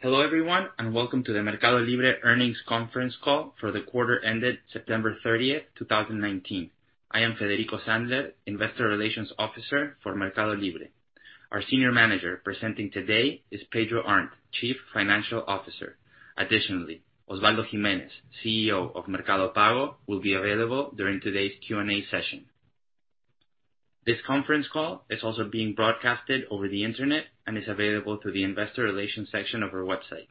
Hello, everyone, and welcome to the Mercado Libre Earnings Conference Call for the Quarter Ended September 30th, 2019. I am Federico Sandler, Investor Relations Officer for Mercado Libre. Our senior manager presenting today is Pedro Arnt, Chief Financial Officer. Additionally, Osvaldo Giménez, CEO of Mercado Pago, will be available during today's Q&A session. This conference call is also being broadcasted over the internet and is available through the Investor Relations section of our website.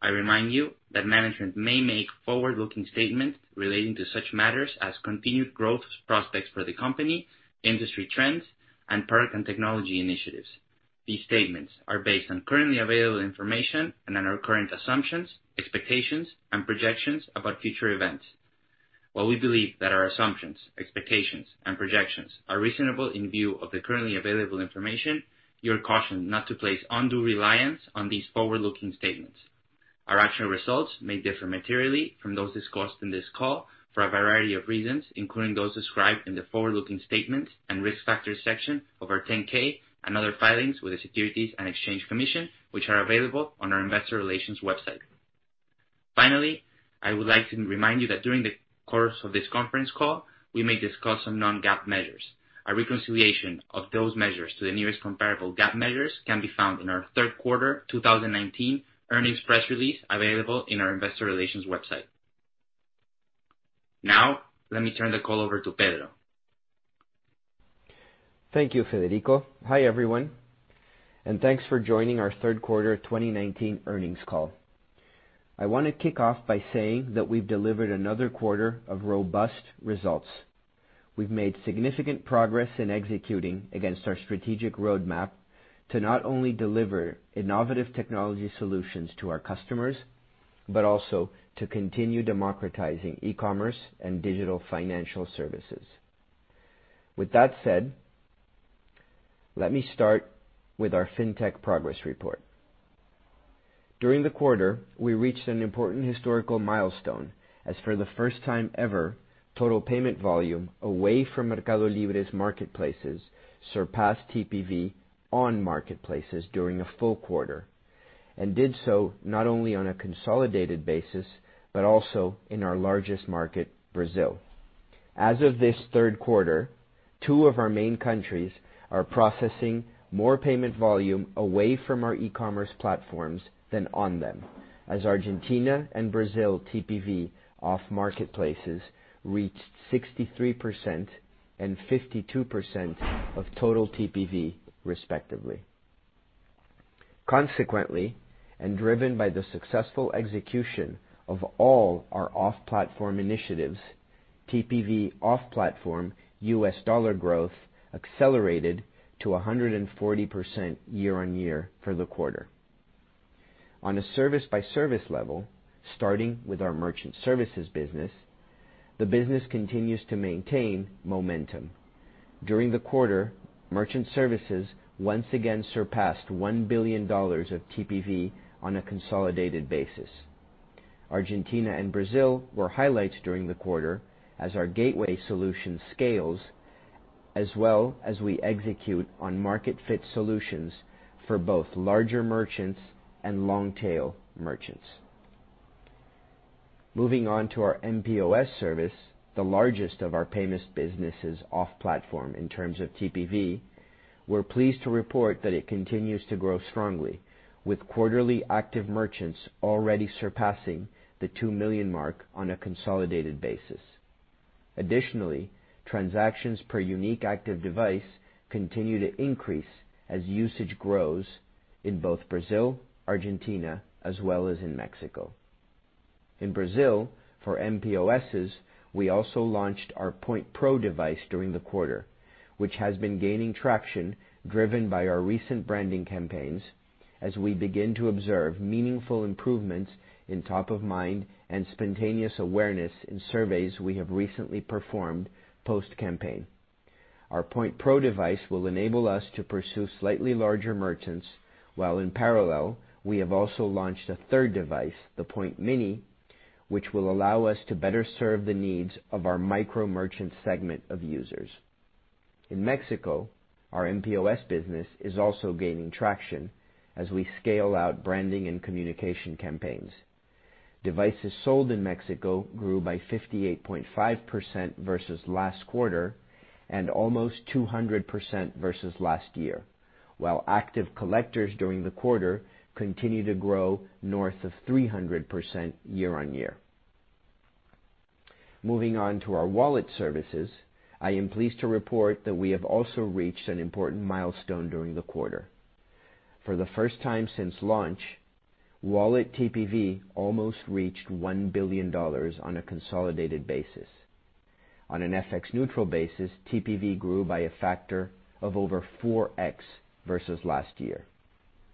I remind you that management may make forward-looking statements relating to such matters as continued growth prospects for the company, industry trends, and product and technology initiatives. These statements are based on currently available information and on our current assumptions, expectations, and projections about future events. While we believe that our assumptions, expectations, and projections are reasonable in view of the currently available information, you are cautioned not to place undue reliance on these forward-looking statements. Our actual results may differ materially from those discussed in this call for a variety of reasons, including those described in the forward-looking statements and risk factors section of our 10-K and other filings with the Securities and Exchange Commission, which are available on our Investor Relations website. Finally, I would like to remind you that during the course of this conference call, we may discuss some non-GAAP measures. A reconciliation of those measures to the nearest comparable GAAP measures can be found in our third quarter 2019 earnings press release, available on our Investor Relations website. Now, let me turn the call over to Pedro. Thank you, Federico. Hi, everyone, and thanks for joining our third quarter 2019 earnings call. I want to kick off by saying that we've delivered another quarter of robust results. We've made significant progress in executing against our strategic roadmap to not only deliver innovative technology solutions to our customers, but also to continue democratizing e-commerce and digital financial services. With that said, let me start with our fintech progress report. During the quarter, we reached an important historical milestone, as for the first time ever, total payment volume away from Mercado Libre's marketplaces surpassed TPV on marketplaces during a full quarter, and did so not only on a consolidated basis, but also in our largest market, Brazil. As of this third quarter, two of our main countries are processing more payment volume away from our e-commerce platforms than on them, as Argentina and Brazil TPV off marketplaces reached 63% and 52% of total TPV respectively. Driven by the successful execution of all our off-platform initiatives, TPV off-platform U.S. dollar growth accelerated to 140% year-on-year for the quarter. On a service by service level, starting with our merchant services business, the business continues to maintain momentum. During the quarter, merchant services once again surpassed $1 billion of TPV on a consolidated basis. Argentina and Brazil were highlights during the quarter as our gateway solution scales, as well as we execute on market fit solutions for both larger merchants and long-tail merchants. Moving on to our mPOS service, the largest of our payments businesses off platform in terms of TPV, we're pleased to report that it continues to grow strongly, with quarterly active merchants already surpassing the two million mark on a consolidated basis. Additionally, transactions per unique active device continue to increase as usage grows in both Brazil, Argentina, as well as in Mexico. In Brazil, for mPOS, we also launched our Point Pro device during the quarter, which has been gaining traction driven by our recent branding campaigns as we begin to observe meaningful improvements in top of mind and spontaneous awareness in surveys we have recently performed post-campaign. Our Point Pro device will enable us to pursue slightly larger merchants, while in parallel, we have also launched a third device, the Point Mini, which will allow us to better serve the needs of our micro merchant segment of users. In Mexico, our mPOS business is also gaining traction as we scale out branding and communication campaigns. Devices sold in Mexico grew by 58.5% quarter-over-quarter and almost 200% year-over-year, while active collectors during the quarter continued to grow north of 300% year-over-year. Moving on to our wallet services, I am pleased to report that we have also reached an important milestone during the quarter. For the first time since launch, wallet TPV almost reached $1 billion on a consolidated basis. On an FX neutral basis, TPV grew by a factor of over 4x year-over-year.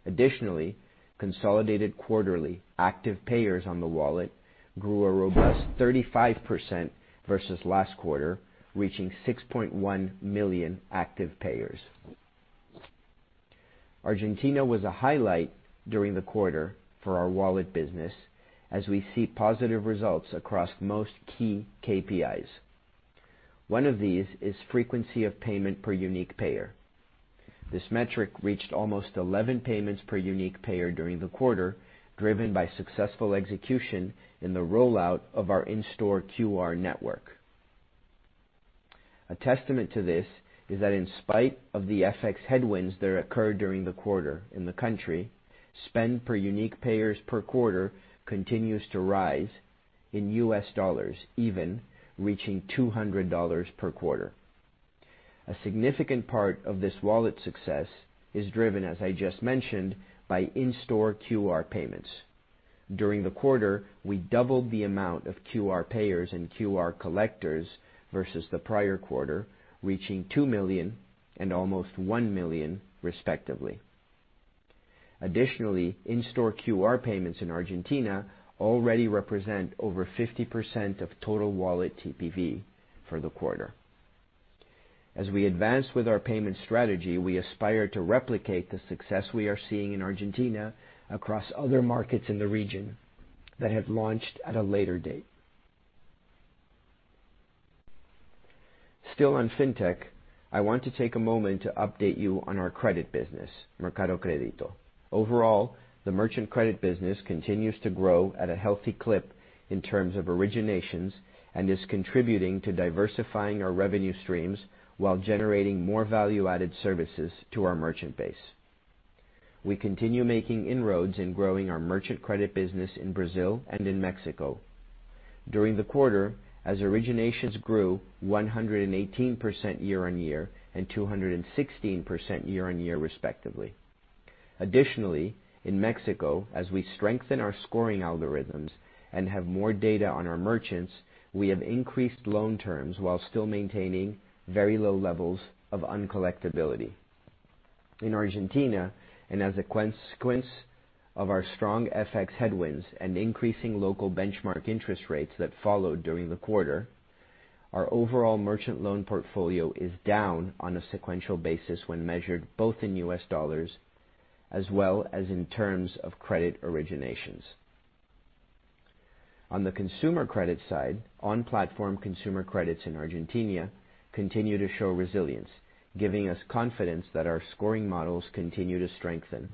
Additionally, consolidated quarterly active payers on the wallet grew a robust 35% quarter-over-quarter, reaching 6.1 million active payers. Argentina was a highlight during the quarter for our wallet business as we see positive results across most key KPIs. One of these is frequency of payment per unique payer. This metric reached almost 11 payments per unique payer during the quarter, driven by successful execution in the rollout of our in-store QR network. A testament to this is that in spite of the FX headwinds that occurred during the quarter in the country, spend per unique payers per quarter continues to rise in U.S. dollars, even reaching $200 per quarter. A significant part of this wallet success is driven, as I just mentioned, by in-store QR payments. During the quarter, we doubled the amount of QR payers and QR collectors versus the prior quarter, reaching two million and almost one million respectively. Additionally, in-store QR payments in Argentina already represent over 50% of total wallet TPV for the quarter. As we advance with our payment strategy, we aspire to replicate the success we are seeing in Argentina across other markets in the region that have launched at a later date. Still on fintech, I want to take a moment to update you on our credit business, Mercado Crédito. Overall, the merchant credit business continues to grow at a healthy clip in terms of originations and is contributing to diversifying our revenue streams while generating more value-added services to our merchant base. We continue making inroads in growing our merchant credit business in Brazil and in Mexico. During the quarter, as originations grew 118% year-on-year and 216% year-on-year respectively. Additionally, in Mexico, as we strengthen our scoring algorithms and have more data on our merchants, we have increased loan terms while still maintaining very low levels of uncollectability. In Argentina, as a consequence of our strong FX headwinds and increasing local benchmark interest rates that followed during the quarter, our overall merchant loan portfolio is down on a sequential basis when measured both in U.S. dollars as well as in terms of credit originations. On the consumer credit side, on-platform consumer credits in Argentina continue to show resilience, giving us confidence that our scoring models continue to strengthen,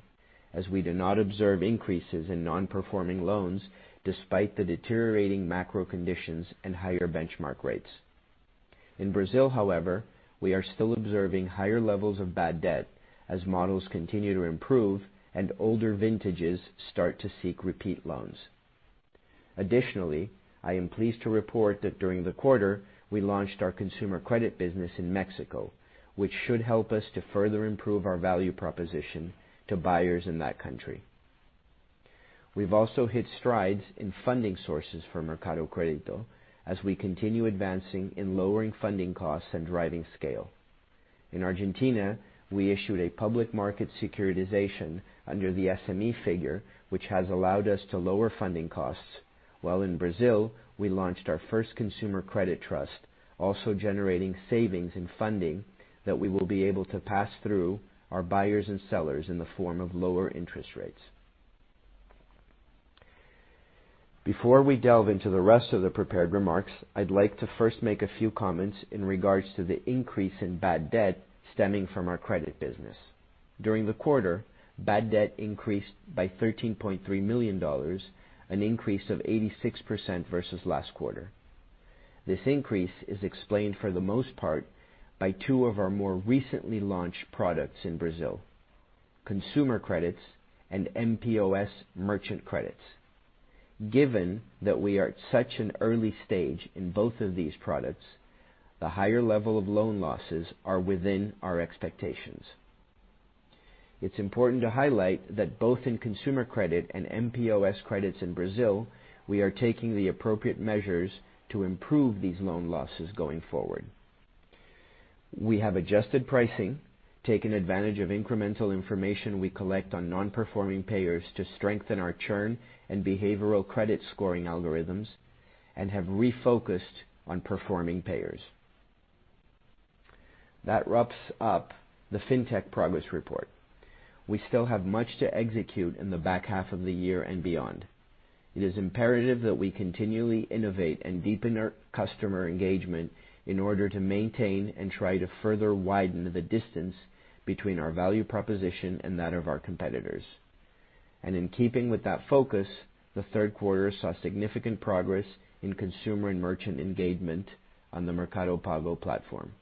as we do not observe increases in non-performing loans despite the deteriorating macro conditions and higher benchmark rates. In Brazil, however, we are still observing higher levels of bad debt as models continue to improve and older vintages start to seek repeat loans. Additionally, I am pleased to report that during the quarter, we launched our consumer credit business in Mexico, which should help us to further improve our value proposition to buyers in that country. We've also hit strides in funding sources for Mercado Crédito as we continue advancing in lowering funding costs and driving scale. In Argentina, we issued a public market securitization under the SME FIGER, which has allowed us to lower funding costs, while in Brazil, we launched our first consumer credit trust, also generating savings and funding that we will be able to pass through our buyers and sellers in the form of lower interest rates. Before we delve into the rest of the prepared remarks, I'd like to first make a few comments in regards to the increase in bad debt stemming from our credit business. During the quarter, bad debt increased by $13.3 million, an increase of 86% versus last quarter. This increase is explained for the most part by two of our more recently launched products in Brazil, consumer credits and mPOS merchant credits. Given that we are at such an early stage in both of these products, the higher level of loan losses are within our expectations. It's important to highlight that both in consumer credit and mPOS credits in Brazil, we are taking the appropriate measures to improve these loan losses going forward. We have adjusted pricing, taken advantage of incremental information we collect on non-performing payers to strengthen our churn and behavioral credit scoring algorithms, and have refocused on performing payers. That wraps up the fintech progress report. We still have much to execute in the back half of the year and beyond. It is imperative that we continually innovate and deepen our customer engagement in order to maintain and try to further widen the distance between our value proposition and that of our competitors. In keeping with that focus, the third quarter saw significant progress in consumer and merchant engagement on the Mercado Pago platform.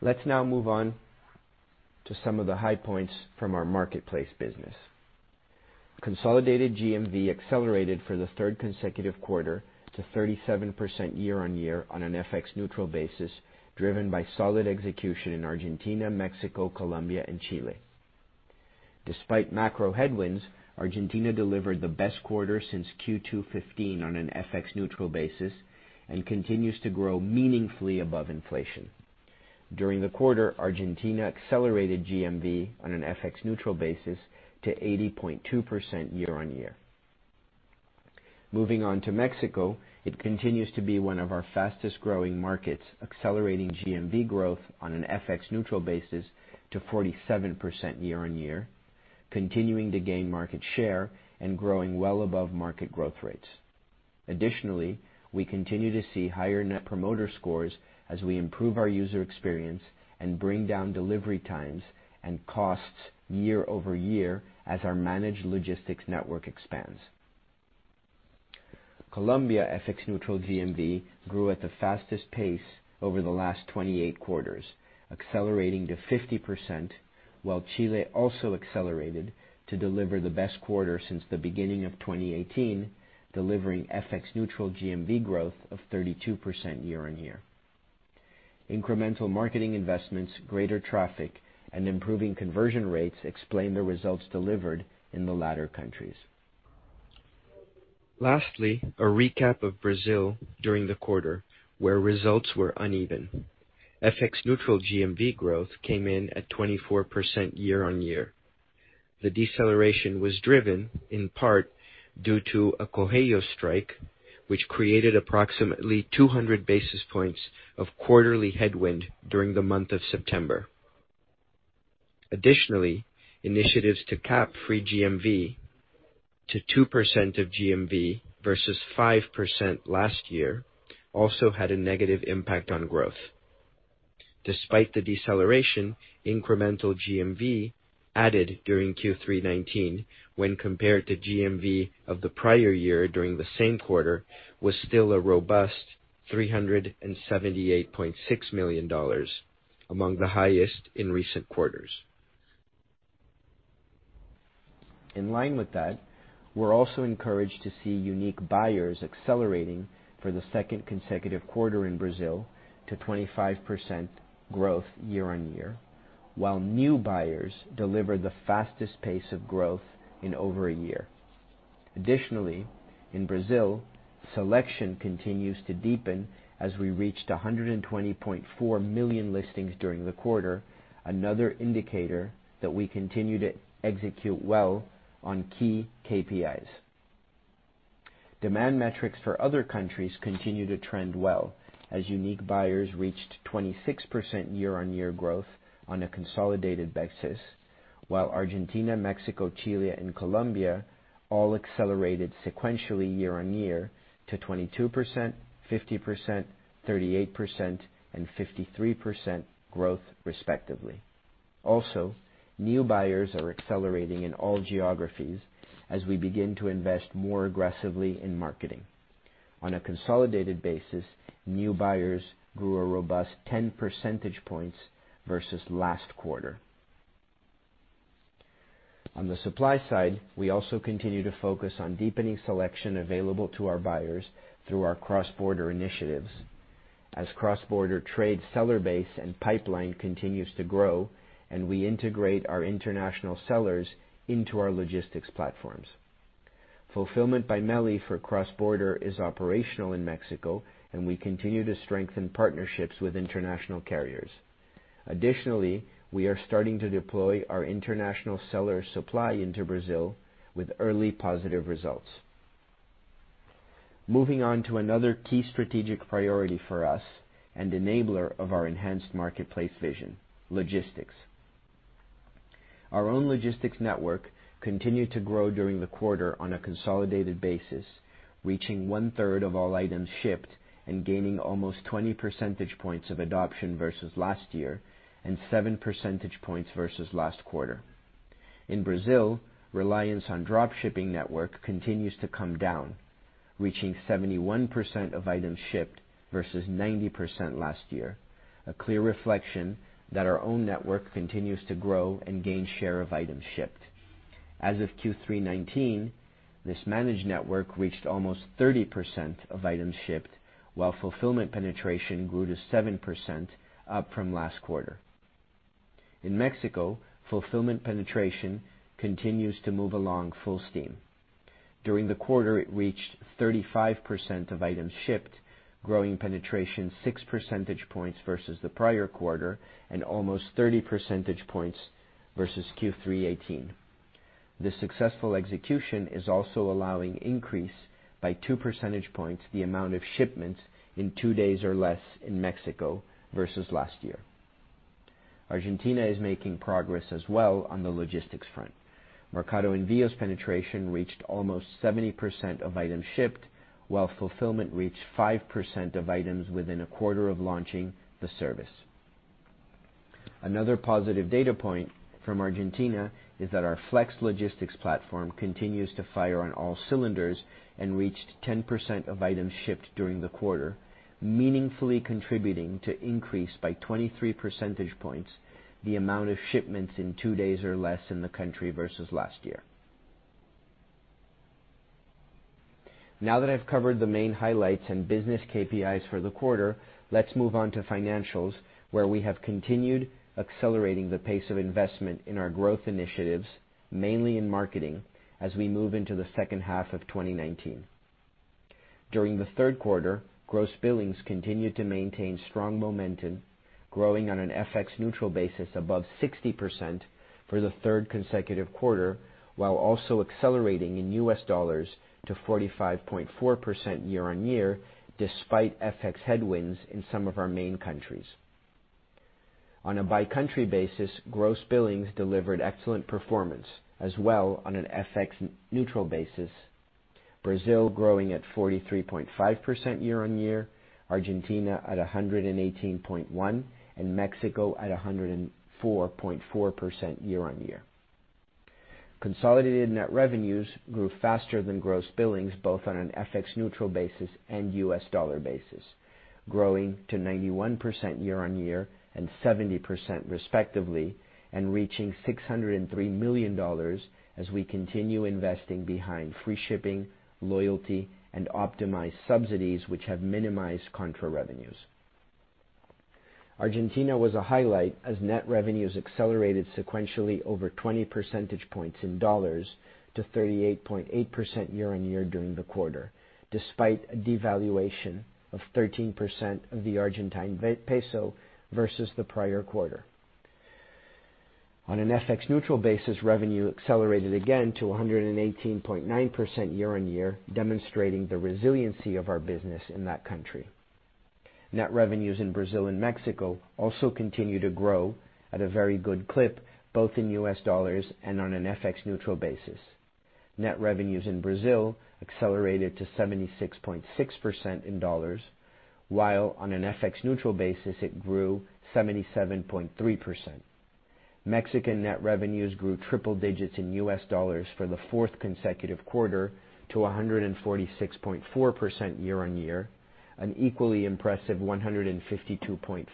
Let's now move on to some of the high points from our Marketplace business. Consolidated GMV accelerated for the third consecutive quarter to 37% year-on-year on an FX neutral basis, driven by solid execution in Argentina, Mexico, Colombia, and Chile. Despite macro headwinds, Argentina delivered the best quarter since Q2 2015 on an FX neutral basis and continues to grow meaningfully above inflation. During the quarter, Argentina accelerated GMV on an FX neutral basis to 80.2% year-on-year. Moving on to Mexico, it continues to be one of our fastest-growing markets, accelerating GMV growth on an FX neutral basis to 47% year-on-year. Continuing to gain market share and growing well above market growth rates. Additionally, we continue to see higher net promoter scores as we improve our user experience and bring down delivery times and costs year-over-year as our managed logistics network expands. Colombia FX neutral GMV grew at the fastest pace over the last 28 quarters, accelerating to 50%, while Chile also accelerated to deliver the best quarter since the beginning of 2018, delivering FX neutral GMV growth of 32% year-on-year. Incremental marketing investments, greater traffic, and improving conversion rates explain the results delivered in the latter countries. Lastly, a recap of Brazil during the quarter, where results were uneven. FX neutral GMV growth came in at 24% year-on-year. The deceleration was driven in part due to a Correios strike, which created approximately 200 basis points of quarterly headwind during the month of September. Initiatives to cap free GMV to 2% of GMV versus 5% last year also had a negative impact on growth. Despite the deceleration, incremental GMV added during Q3 2019 when compared to GMV of the prior year during the same quarter, was still a robust $378.6 million, among the highest in recent quarters. In line with that, we're also encouraged to see unique buyers accelerating for the second consecutive quarter in Brazil to 25% growth year-on-year, while new buyers deliver the fastest pace of growth in over a year. In Brazil, selection continues to deepen as we reached 120.4 million listings during the quarter, another indicator that we continue to execute well on key KPIs. Demand metrics for other countries continue to trend well as unique buyers reached 26% year-on-year growth on a consolidated basis, while Argentina, Mexico, Chile, and Colombia all accelerated sequentially year-on-year to 22%, 50%, 38%, and 53% growth respectively. Also, new buyers are accelerating in all geographies as we begin to invest more aggressively in marketing. On a consolidated basis, new buyers grew a robust 10 percentage points versus last quarter. On the supply side, we also continue to focus on deepening selection available to our buyers through our cross-border initiatives. As cross-border trade seller base and pipeline continues to grow and we integrate our international sellers into our logistics platforms. Fulfillment by MELI for cross-border is operational in Mexico, and we continue to strengthen partnerships with international carriers. Additionally, we are starting to deploy our international seller supply into Brazil with early positive results. Moving on to another key strategic priority for us and enabler of our enhanced marketplace vision, logistics. Our own logistics network continued to grow during the quarter on a consolidated basis, reaching 1/3 of all items shipped and gaining almost 20 percentage points of adoption versus last year and 7 percentage points versus last quarter. In Brazil, reliance on drop shipping network continues to come down, reaching 71% of items shipped versus 90% last year. A clear reflection that our own network continues to grow and gain share of items shipped. As of Q3 2019, this managed network reached almost 30% of items shipped, while fulfillment penetration grew to 7%, up from last quarter. In Mexico, fulfillment penetration continues to move along full steam. During the quarter, it reached 35% of items shipped, growing penetration 6 percentage points versus the prior quarter and almost 30 percentage points versus Q3 2018. This successful execution is also allowing increase by 2 percentage points the amount of shipments in two days or less in Mexico versus last year. Argentina is making progress as well on the logistics front. Mercado Envios penetration reached almost 70% of items shipped, while fulfillment reached 5% of items within a quarter of launching the service. Another positive data point from Argentina is that our flex logistics platform continues to fire on all cylinders and reached 10% of items shipped during the quarter, meaningfully contributing to increase by 23 percentage points the amount of shipments in two days or less in the country versus last year. Now that I've covered the main highlights and business KPIs for the quarter, let's move on to financials, where we have continued accelerating the pace of investment in our growth initiatives, mainly in marketing, as we move into the second half of 2019. During the third quarter, gross billings continued to maintain strong momentum, growing on an FX neutral basis above 60% for the third consecutive quarter, while also accelerating in U.S. dollars to 45.4% year-on-year, despite FX headwinds in some of our main countries. On a by country basis, gross billings delivered excellent performance as well on an FX neutral basis. Brazil growing at 43.5% year-on-year, Argentina at 118.1%, and Mexico at 104.4% year-on-year. Consolidated net revenues grew faster than gross billings, both on an FX neutral basis and U.S. dollar basis, growing to 91% year-on-year and 70% respectively, and reaching $603 million as we continue investing behind free shipping, loyalty, and optimized subsidies, which have minimized contra revenues. Argentina was a highlight as net revenues accelerated sequentially over 20 percentage points in dollars to 38.8% year-on-year during the quarter, despite a devaluation of 13% of the Argentine peso versus the prior quarter. On an FX neutral basis, revenue accelerated again to 118.9% year-on-year, demonstrating the resiliency of our business in that country. Net revenues in Brazil and Mexico also continue to grow at a very good clip, both in U.S. Dollars and on an FX neutral basis. Net revenues in Brazil accelerated to 76.6% in dollars, while on an FX neutral basis it grew 77.3%. Mexican net revenues grew triple digits in U.S. dollars for the fourth consecutive quarter to 146.4% year-on-year, an equally impressive 152.5%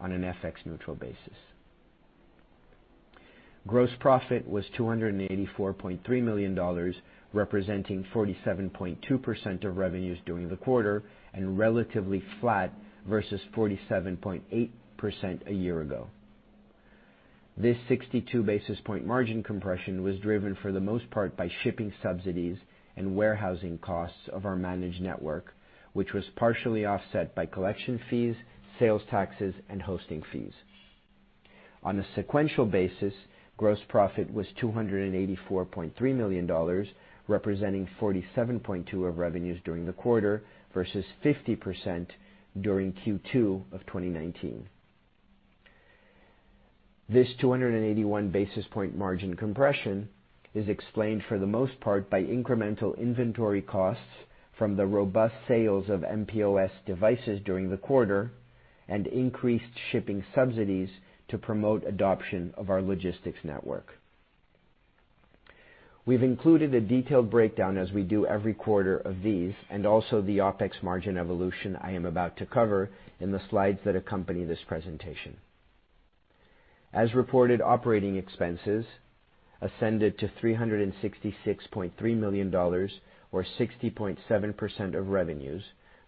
on an FX neutral basis. Gross profit was $284.3 million, representing 47.2% of revenues during the quarter, and relatively flat versus 47.8% a year ago. This 62 basis point margin compression was driven for the most part by shipping subsidies and warehousing costs of our managed network, which was partially offset by collection fees, sales taxes, and hosting fees. On a sequential basis, gross profit was $284.3 million, representing 47.2% of revenues during the quarter versus 50% during Q2 of 2019. This 281 basis point margin compression is explained for the most part by incremental inventory costs from the robust sales of mPOS devices during the quarter and increased shipping subsidies to promote adoption of our logistics network. We've included a detailed breakdown as we do every quarter of these, and also the OpEx margin evolution I am about to cover in the slides that accompany this presentation. As reported, operating expenses ascended to $366.3 million or 60.7% of revenues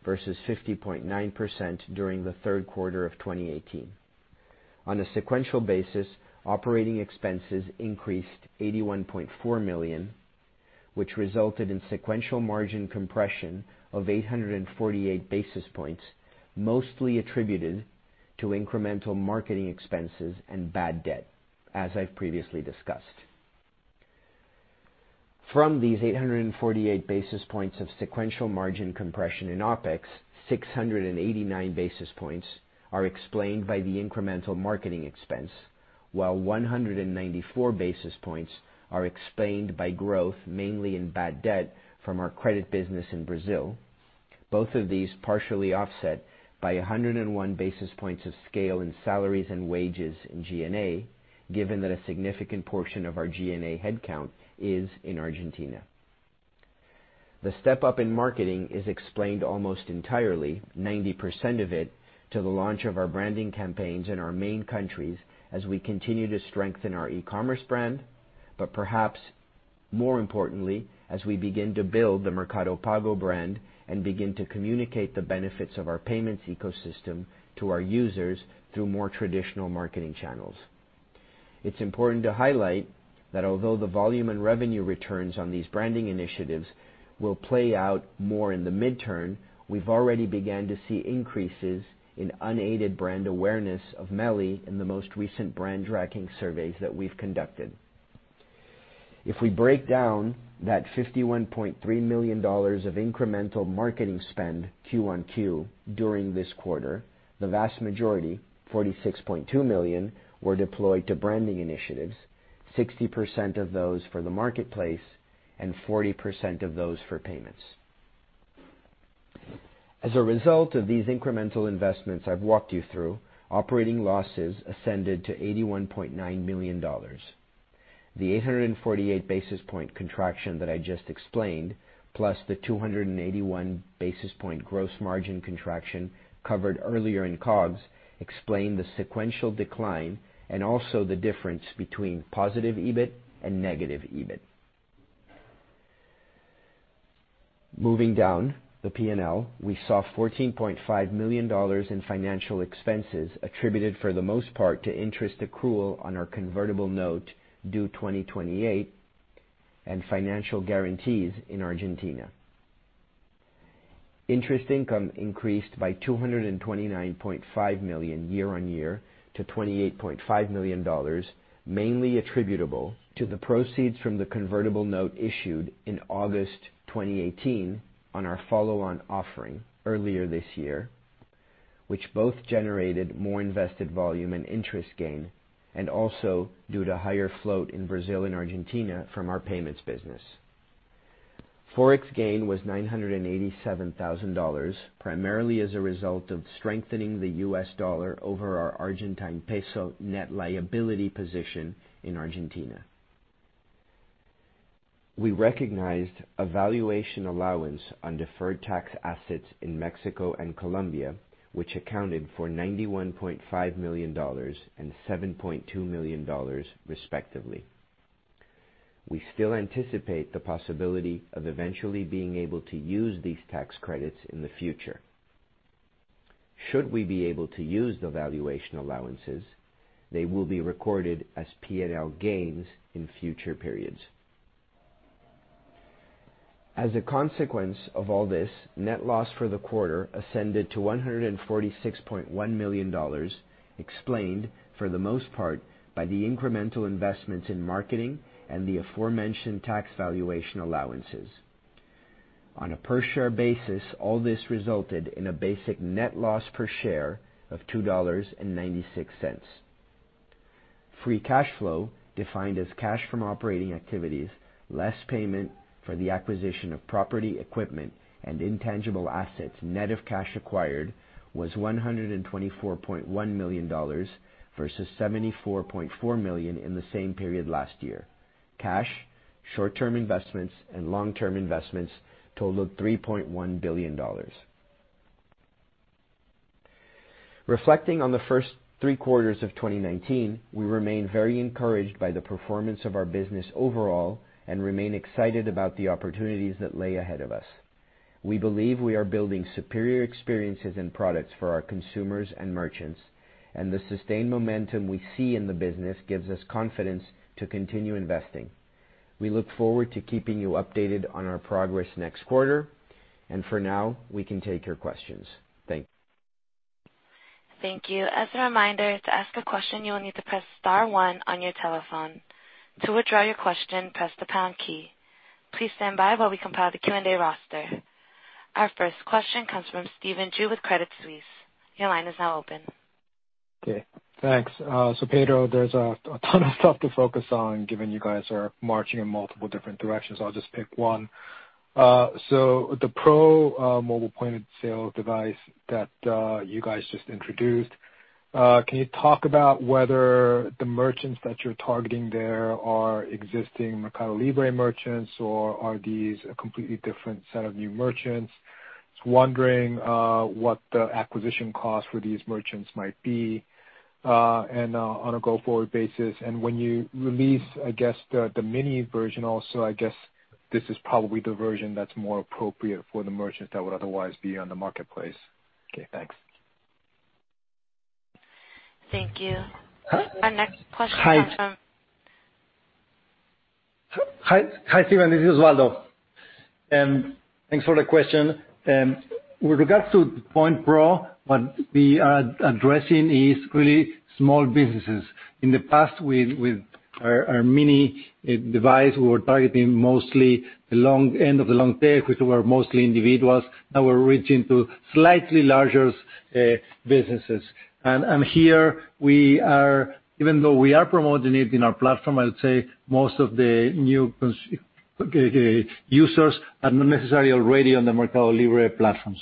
versus 50.9% during the third quarter of 2018. On a sequential basis, operating expenses increased $81.4 million, which resulted in sequential margin compression of 848 basis points, mostly attributed to incremental marketing expenses and bad debt, as I've previously discussed. From these 848 basis points of sequential margin compression in OpEx, 689 basis points are explained by the incremental marketing expense, while 194 basis points are explained by growth, mainly in bad debt from our credit business in Brazil. Both of these partially offset by 101 basis points of scale in salaries and wages in G&A, given that a significant portion of our G&A headcount is in Argentina. The step-up in marketing is explained almost entirely, 90% of it, to the launch of our branding campaigns in our main countries as we continue to strengthen our e-commerce brand. Perhaps more importantly, as we begin to build the Mercado Pago brand and begin to communicate the benefits of our payments ecosystem to our users through more traditional marketing channels. It's important to highlight that although the volume and revenue returns on these branding initiatives will play out more in the midterm, we've already began to see increases in unaided brand awareness of MELI in the most recent brand tracking surveys that we've conducted. If we break down that $51.3 million of incremental marketing QoQ during this quarter, the vast majority, $46.2 million, were deployed to branding initiatives, 60% of those for the marketplace and 40% of those for payments. As a result of these incremental investments I've walked you through, operating losses ascended to $81.9 million. The 848 basis point contraction that I just explained, plus the 281 basis point gross margin contraction covered earlier in COGS, explain the sequential decline and also the difference between positive EBIT and negative EBIT. Moving down the P&L, we saw $14.5 million in financial expenses attributed for the most part to interest accrual on our convertible note due 2028 and financial guarantees in Argentina. Interest income increased by $229.5 million year-on-year to $28.5 million, mainly attributable to the proceeds from the convertible note issued in August 2018 on our follow-on offering earlier this year. Which both generated more invested volume and interest gain, and also due to higher float in Brazil and Argentina from our payments business. Forex gain was $987,000, primarily as a result of strengthening the U.S. dollar over our Argentine peso net liability position in Argentina. We recognized a valuation allowance on deferred tax assets in Mexico and Colombia, which accounted for $91.5 million and $7.2 million respectively. We still anticipate the possibility of eventually being able to use these tax credits in the future. Should we be able to use the valuation allowances, they will be recorded as P&L gains in future periods. As a consequence of all this, net loss for the quarter ascended to $146.1 million, explained for the most part by the incremental investments in marketing and the aforementioned tax valuation allowances. On a per-share basis, all this resulted in a basic net loss per share of $2.96. Free cash flow, defined as cash from operating activities less payment for the acquisition of property, equipment, and intangible assets, net of cash acquired, was $124.1 million versus $74.4 million in the same period last year. Cash, short-term investments, and long-term investments totaled $3.1 billion. Reflecting on the first three quarters of 2019, we remain very encouraged by the performance of our business overall and remain excited about the opportunities that lay ahead of us. We believe we are building superior experiences and products for our consumers and merchants, and the sustained momentum we see in the business gives us confidence to continue investing. We look forward to keeping you updated on our progress next quarter, and for now, we can take your questions. Thank you. Thank you. As a reminder, to ask a question, you will need to press star one on your telephone. To withdraw your question, press the pound key. Please stand by while we compile the Q&A roster. Our first question comes from Stephen Ju with Credit Suisse. Your line is now open. Okay, thanks. Pedro, there's a ton of stuff to focus on, given you guys are marching in multiple different directions. I'll just pick one. The Pro mobile point-of-sale device that you guys just introduced, can you talk about whether the merchants that you're targeting there are existing Mercado Libre merchants, or are these a completely different set of new merchants? Just wondering what the acquisition cost for these merchants might be on a go-forward basis. When you release the mini version also, I guess this is probably the version that's more appropriate for the merchants that would otherwise be on the marketplace. Okay, thanks. Thank you. Our next question comes from. Hi. Hi, Stephen, this is Osvaldo. Thanks for the question. With regards to Point Pro, what we are addressing is really small businesses. In the past, with our Point Mini device, we were targeting mostly the end of the long tail, which were mostly individuals. Now we're reaching to slightly larger businesses. Here, even though we are promoting it in our platform, I would say most of the new users are not necessarily already on the Mercado Libre platform.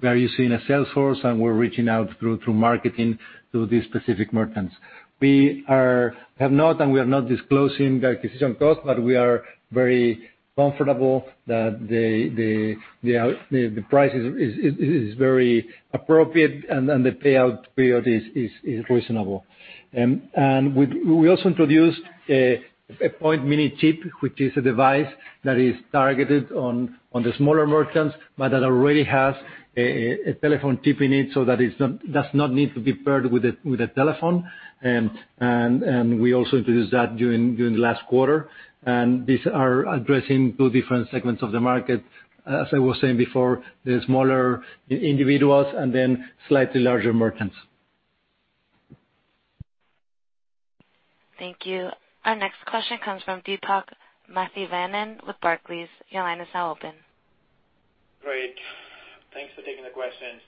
We are using a sales force, and we're reaching out through marketing to these specific merchants. We have not, and we are not disclosing the acquisition cost, but we are very comfortable that the price is very appropriate, and the payout period is reasonable. We also introduced a Point Mini chip, which is a device that is targeted on the smaller merchants, but that already has a telephone chip in it, so that it does not need to be paired with a telephone. We also introduced that during the last quarter. These are addressing two different segments of the market. As I was saying before, the smaller individuals and then slightly larger merchants. Thank you. Our next question comes from Deepak Mathivanan with Barclays. Your line is now open. Great. Thanks for taking the questions.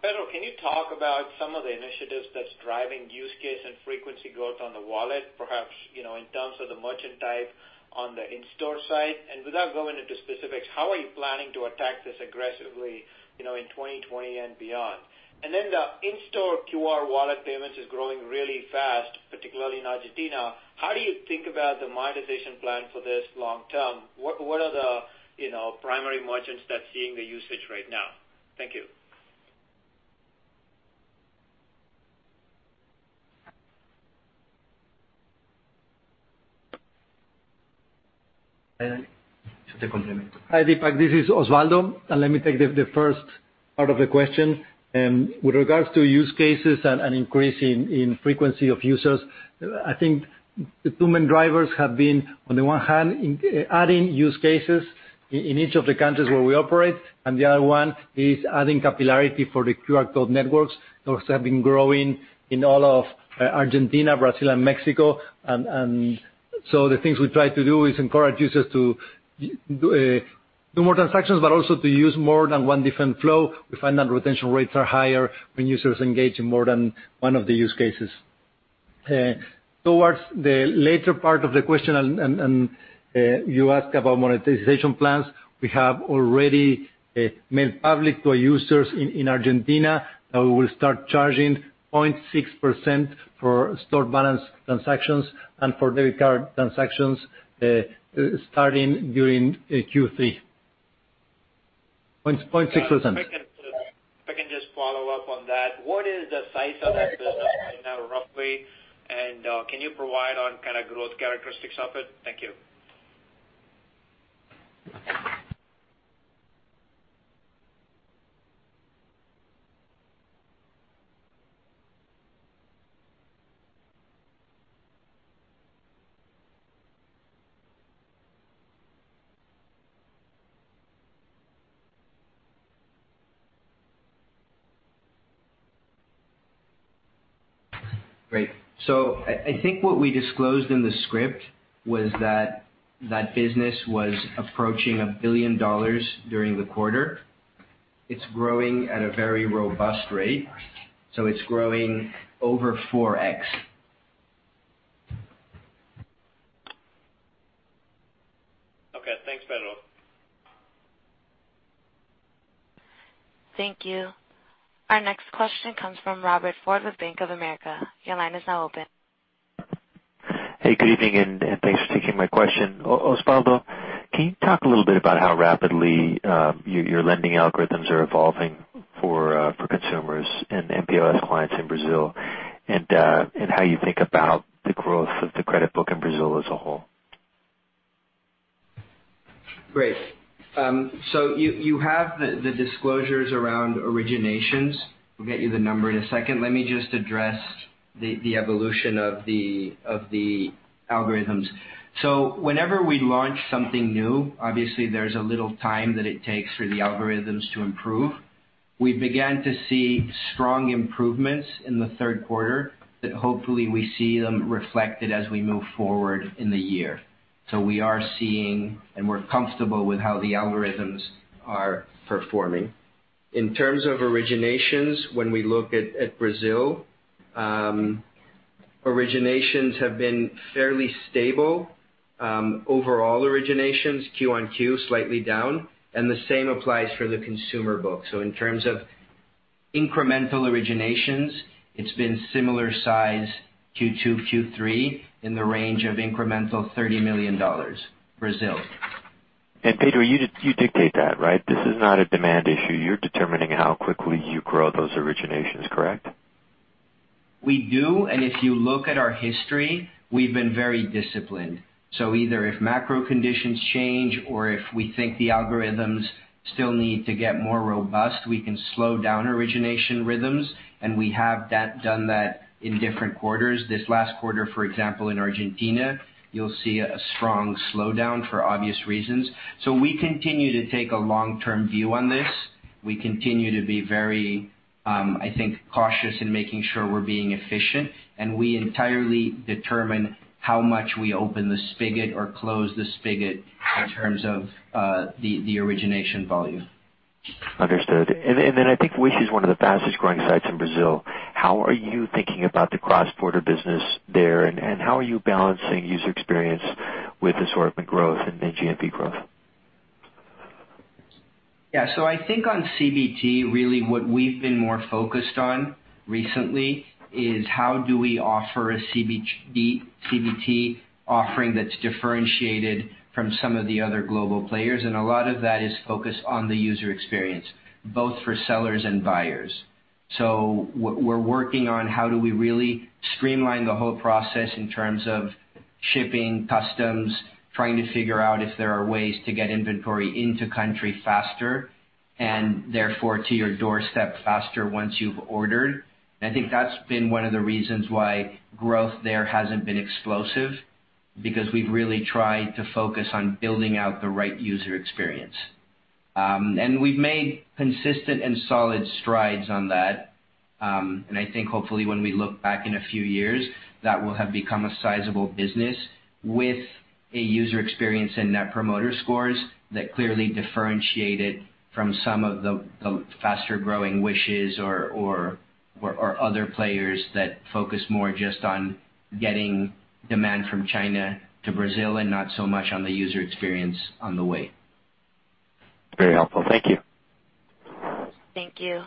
Pedro, can you talk about some of the initiatives that's driving use case and frequency growth on the wallet, perhaps in terms of the merchant type on the in-store side? Without going into specifics, how are you planning to attack this aggressively in 2020 and beyond? The in-store QR wallet payments is growing really fast, particularly in Argentina. How do you think about the monetization plan for this long term? What are the primary merchants that's seeing the usage right now? Thank you. Hi, Deepak, this is Osvaldo, and let me take the first part of the question. With regards to use cases and increase in frequency of users, I think the two main drivers have been, on the one hand, adding use cases in each of the countries where we operate, and the other one is adding capillarity for the QR code networks. Networks have been growing in all of Argentina, Brazil, and Mexico. The things we try to do is encourage users to Do more transactions, but also to use more than one different flow. We find that retention rates are higher when users engage in more than one of the use cases. Towards the later part of the question, you ask about monetization plans, we have already made public to our users in Argentina that we will start charging 0.6% for stored balance transactions and for debit card transactions, starting during Q3. 0.6%. If I can just follow up on that, what is the size of that business right now, roughly, and can you provide on kind of growth characteristics of it? Thank you. Great. I think what we disclosed in the script was that that business was approaching $1 billion during the quarter. It's growing at a very robust rate. It's growing over 4x. Okay. Thanks, Pedro. Thank you. Our next question comes from Robert Ford with Bank of America. Your line is now open. Hey, good evening, and thanks for taking my question. Osvaldo, can you talk a little bit about how rapidly your lending algorithms are evolving for consumers and mPOS clients in Brazil, and how you think about the growth of the credit book in Brazil as a whole? Great. You have the disclosures around originations. We'll get you the number in a second. Let me just address the evolution of the algorithms. Whenever we launch something new, obviously there's a little time that it takes for the algorithms to improve. We began to see strong improvements in the third quarter that hopefully we see them reflected as we move forward in the year. We are seeing, and we're comfortable with how the algorithms are performing. In terms of originations, when we look at Brazil, originations have been fairly stable. Overall originations QoQ, slightly down, and the same applies for the consumer book. In terms of incremental originations, it's been similar size Q2, Q3 in the range of incremental $30 million, Brazil. Pedro, you dictate that, right? This is not a demand issue. You're determining how quickly you grow those originations, correct? We do, and if you look at our history, we've been very disciplined. Either if macro conditions change or if we think the algorithms still need to get more robust, we can slow down origination rhythms, and we have done that in different quarters. This last quarter, for example, in Argentina, you'll see a strong slowdown for obvious reasons. We continue to take a long-term view on this. We continue to be very, I think, cautious in making sure we're being efficient, and we entirely determine how much we open the spigot or close the spigot in terms of the origination volume. Understood. I think Wish is one of the fastest-growing sites in Brazil. How are you thinking about the cross-border business there, and how are you balancing user experience with assortment growth and then GMV growth? Yeah. I think on CBT, really what we've been more focused on recently is how do we offer a CBT offering that's differentiated from some of the other global players, and a lot of that is focused on the user experience, both for sellers and buyers. We're working on how do we really streamline the whole process in terms of shipping, customs, trying to figure out if there are ways to get inventory into country faster and therefore to your doorstep faster once you've ordered. I think that's been one of the reasons why growth there hasn't been explosive, because we've really tried to focus on building out the right user experience. We've made consistent and solid strides on that. I think hopefully when we look back in a few years, that will have become a sizable business with a user experience and net promoter scores that clearly differentiate it from some of the faster-growing Wish or other players that focus more just on getting demand from China to Brazil and not so much on the user experience on the way. Very helpful. Thank you. Thank you.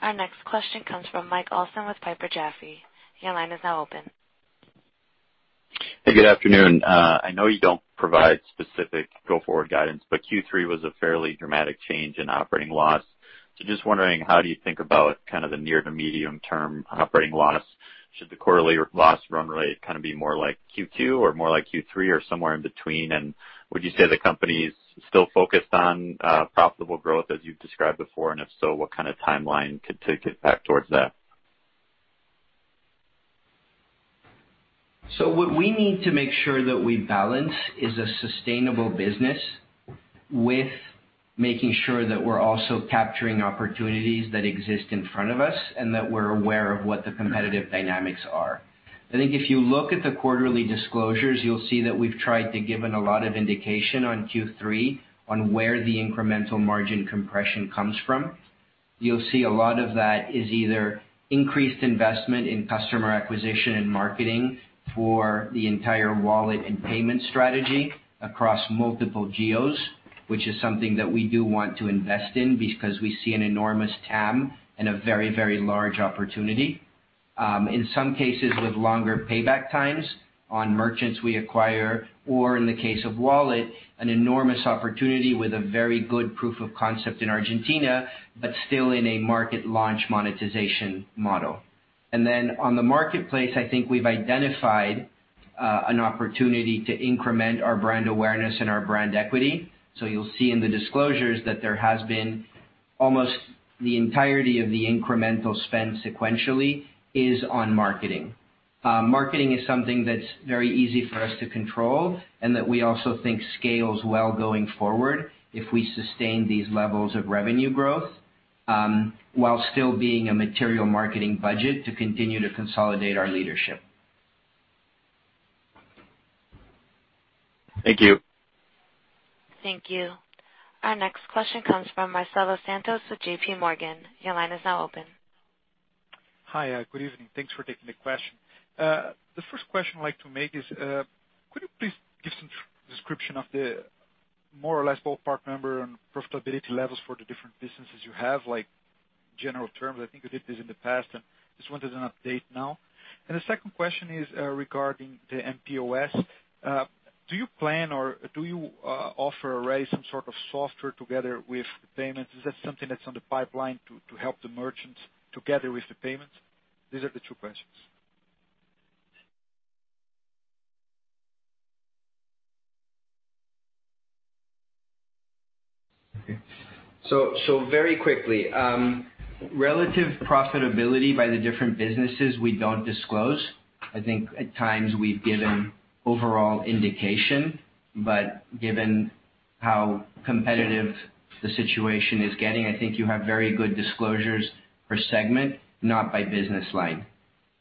Our next question comes from Mike Olson with Piper Jaffray. Your line is now open. Hey, good afternoon. I know you don't provide specific go-forward guidance, but Q3 was a fairly dramatic change in operating loss. Just wondering, how do you think about kind of the near to medium-term operating loss? Should the quarterly loss run rate kind of be more like Q2 or more like Q3 or somewhere in between? Would you say the company's still focused on profitable growth as you've described before, and if so, what kind of timeline to get back towards that? What we need to make sure that we balance is a sustainable business with making sure that we're also capturing opportunities that exist in front of us and that we're aware of what the competitive dynamics are. I think if you look at the quarterly disclosures, you'll see that we've tried to give a lot of indication on Q3 on where the incremental margin compression comes from. You'll see a lot of that is either increased investment in customer acquisition and marketing for the entire wallet and payment strategy across multiple geos, which is something that we do want to invest in because we see an enormous TAM and a very large opportunity. In some cases, with longer payback times on merchants we acquire, or in the case of wallet, an enormous opportunity with a very good proof of concept in Argentina, but still in a market launch monetization model. On the marketplace, I think we've identified an opportunity to increment our brand awareness and our brand equity. You'll see in the disclosures that there has been almost the entirety of the incremental spend sequentially is on marketing. Marketing is something that's very easy for us to control and that we also think scales well going forward if we sustain these levels of revenue growth, while still being a material marketing budget to continue to consolidate our leadership. Thank you. Thank you. Our next question comes from Marcelo Santos with JPMorgan. Your line is now open. Hi. Good evening. Thanks for taking the question. The first question I'd like to make is could you please give some description of the more or less ballpark number and profitability levels for the different businesses you have, like general terms? I think you did this in the past, and just wanted an update now. The second question is regarding the mPOS. Do you plan or do you offer already some sort of software together with payments? Is that something that's on the pipeline to help the merchants together with the payments? These are the two questions. Okay. Very quickly. Relative profitability by the different businesses, we don't disclose. I think at times we've given overall indication, but given how competitive the situation is getting, I think you have very good disclosures per segment, not by business line.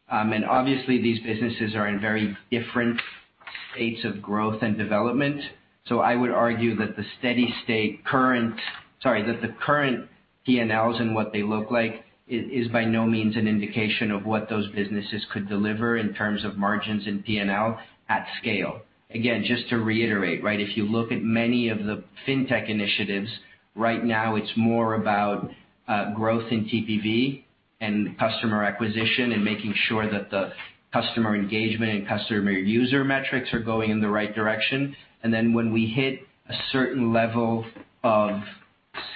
Obviously these businesses are in very different states of growth and development. I would argue that the current P&Ls and what they look like is by no means an indication of what those businesses could deliver in terms of margins and P&L at scale. Again, just to reiterate, if you look at many of the fintech initiatives right now, it's more about growth in TPV and customer acquisition and making sure that the customer engagement and customer user metrics are going in the right direction. When we hit a certain level of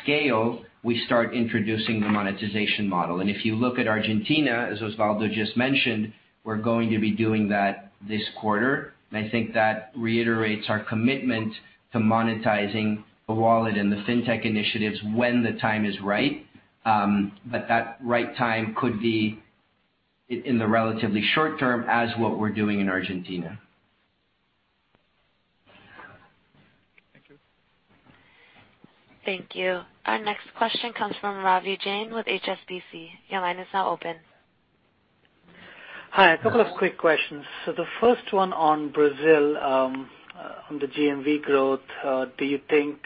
scale, we start introducing the monetization model. If you look at Argentina, as Osvaldo just mentioned, we're going to be doing that this quarter. I think that reiterates our commitment to monetizing the wallet and the fintech initiatives when the time is right. That right time could be in the relatively short term as what we're doing in Argentina. Thank you. Thank you. Our next question comes from Ravi Jain with HSBC. Your line is now open. Hi. A couple of quick questions. The first one on Brazil on the GMV growth. Do you think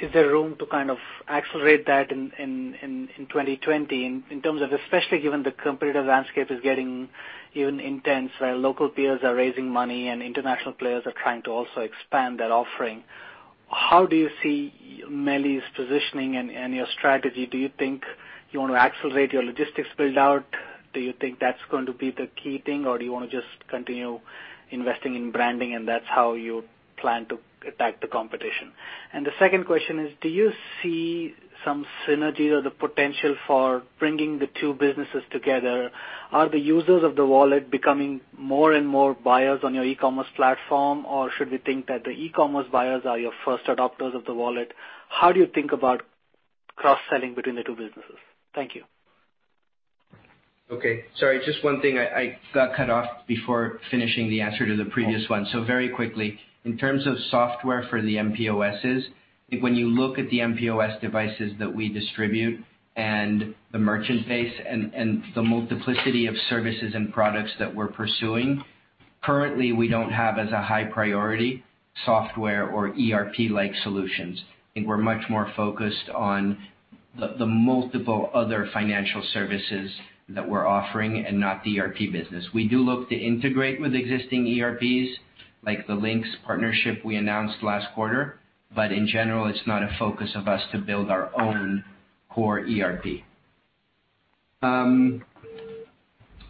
is there room to kind of accelerate that in 2020 in terms of especially given the competitive landscape is getting even intense, local peers are raising money and international players are trying to also expand that offering. How do you see MELI's positioning and your strategy? Do you think you want to accelerate your logistics build-out? Do you think that's going to be the key thing or do you want to just continue investing in branding and that's how you plan to attack the competition? The second question is, do you see some synergy or the potential for bringing the two businesses together? Are the users of the wallet becoming more and more buyers on your e-commerce platform or should we think that the e-commerce buyers are your first adopters of the wallet? How do you think about cross-selling between the two businesses? Thank you. Okay. Sorry, just one thing. I got cut off before finishing the answer to the previous one. Very quickly, in terms of software for the mPOS, I think when you look at the mPOS devices that we distribute and the merchant base and the multiplicity of services and products that we're pursuing, currently we don't have as a high priority software or ERP-like solutions. I think we're much more focused on the multiple other financial services that we're offering and not the ERP business. We do look to integrate with existing ERPs, like the Linx partnership we announced last quarter. In general, it's not a focus of us to build our own core ERP.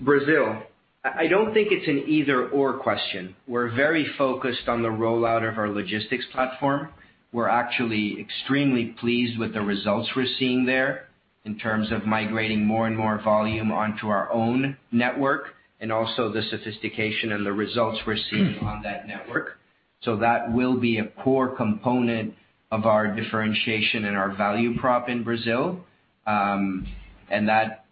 Brazil. I don't think it's an either/or question. We're very focused on the rollout of our logistics platform. We're actually extremely pleased with the results we're seeing there in terms of migrating more and more volume onto our own network and also the sophistication and the results we're seeing on that network. That will be a core component of our differentiation and our value prop in Brazil. That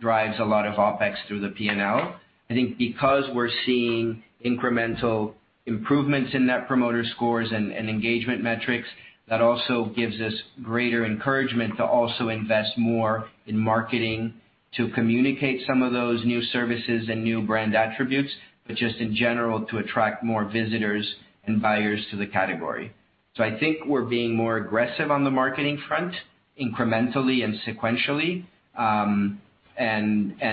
drives a lot of OpEx through the P&L. I think because we're seeing incremental improvements in net promoter scores and engagement metrics, that also gives us greater encouragement to also invest more in marketing to communicate some of those new services and new brand attributes, but just in general to attract more visitors and buyers to the category. I think we're being more aggressive on the marketing front, incrementally and sequentially.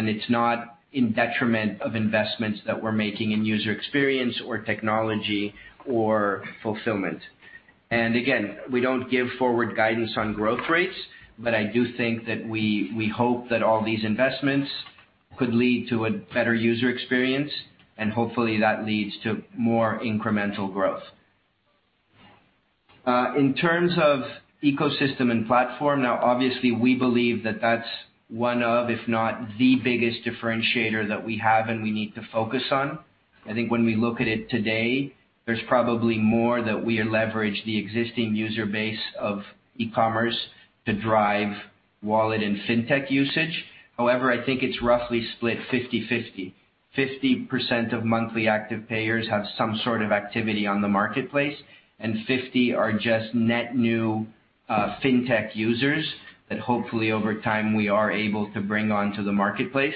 It's not in detriment of investments that we're making in user experience or technology or fulfillment. Again, we don't give forward guidance on growth rates, but I do think that we hope that all these investments could lead to a better user experience, and hopefully that leads to more incremental growth. In terms of ecosystem and platform, obviously, we believe that that's one of, if not the biggest differentiator that we have and we need to focus on. I think when we look at it today, there's probably more that we leverage the existing user base of e-commerce to drive wallet and fintech usage. However, I think it's roughly split 50/50. 50% of monthly active payers have some sort of activity on the marketplace, and 50% are just net new fintech users that hopefully over time we are able to bring onto the marketplace.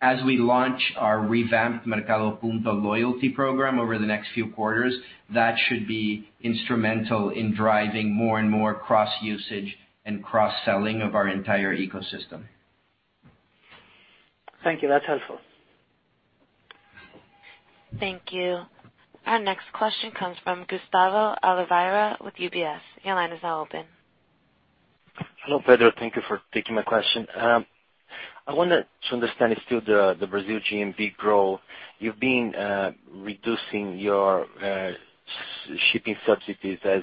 As we launch our revamped Mercado Puntos loyalty program over the next few quarters, that should be instrumental in driving more and more cross-usage and cross-selling of our entire ecosystem. Thank you. That's helpful. Thank you. Our next question comes from Gustavo Oliveira with UBS. Your line is now open. Hello, Pedro. Thank you for taking my question. I wanted to understand if still the Brazil GMV growth, you've been reducing your shipping subsidies as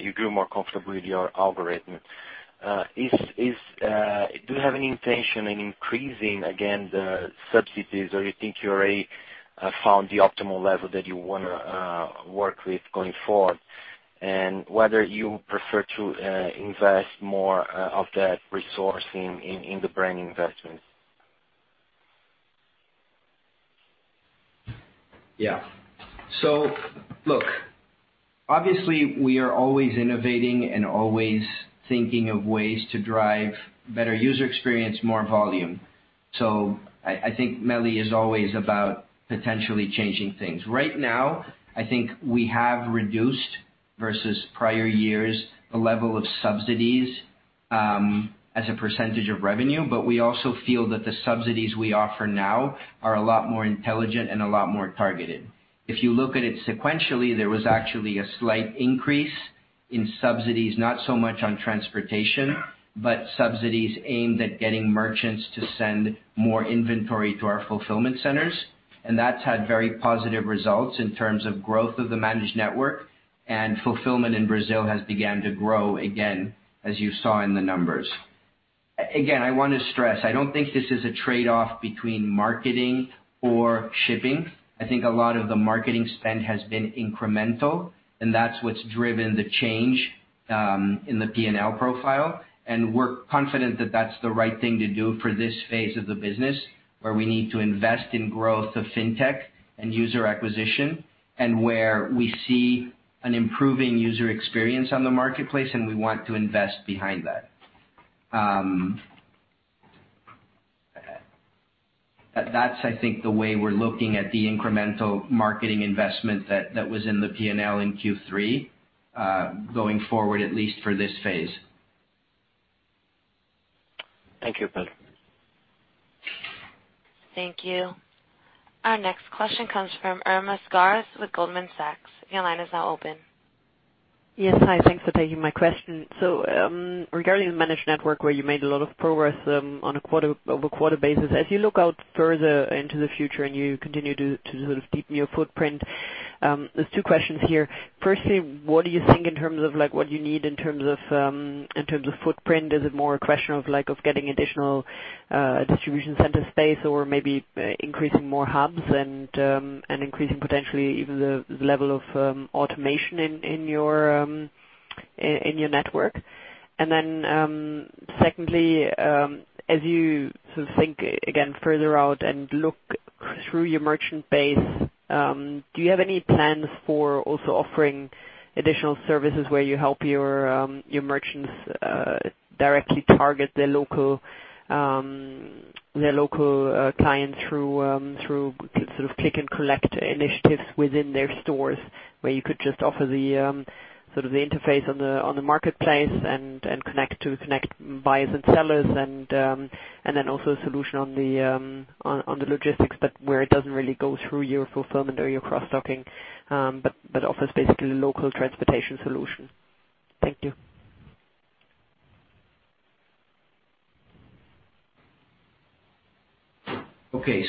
you grew more comfortable with your algorithm. Do you have any intention in increasing again the subsidies, or you think you already found the optimal level that you want to work with going forward? Whether you prefer to invest more of that resource in the brand investments? Yeah. Look, obviously, we are always innovating and always thinking of ways to drive better user experience, more volume. I think MELI is always about potentially changing things. Right now, I think we have reduced, versus prior years, the level of subsidies, as a percentage of revenue. We also feel that the subsidies we offer now are a lot more intelligent and a lot more targeted. If you look at it sequentially, there was actually a slight increase in subsidies, not so much on transportation, but subsidies aimed at getting merchants to send more inventory to our fulfillment centers. That's had very positive results in terms of growth of the managed network, fulfillment in Brazil has began to grow again, as you saw in the numbers. Again, I want to stress, I don't think this is a trade-off between marketing or shipping. I think a lot of the marketing spend has been incremental, and that's what's driven the change in the P&L profile, and we're confident that that's the right thing to do for this phase of the business, where we need to invest in growth of fintech and user acquisition, and where we see an improving user experience on the marketplace, and we want to invest behind that. That's, I think, the way we're looking at the incremental marketing investment that was in the P&L in Q3, going forward, at least for this phase. Thank you, Pedro. Thank you. Our next question comes from Irma Sgarz with Goldman Sachs. Your line is now open. Yes. Hi. Thanks for taking my question. Regarding the managed network where you made a lot of progress over a quarter basis, as you look out further into the future and you continue to sort of deepen your footprint, there's two questions here. Firstly, what do you think in terms of what you need in terms of footprint? Is it more a question of getting additional distribution center space or maybe increasing more hubs and increasing potentially even the level of automation in your network? Secondly, as you sort of think, again, further out and look through your merchant base, do you have any plans for also offering additional services where you help your merchants directly target their local clients through sort of click-and-collect initiatives within their stores, where you could just offer the interface on the marketplace and connect buyers and sellers, also a solution on the logistics, but where it doesn't really go through your fulfillment or your cross-docking, but offers basically a local transportation solution? Thank you. Okay.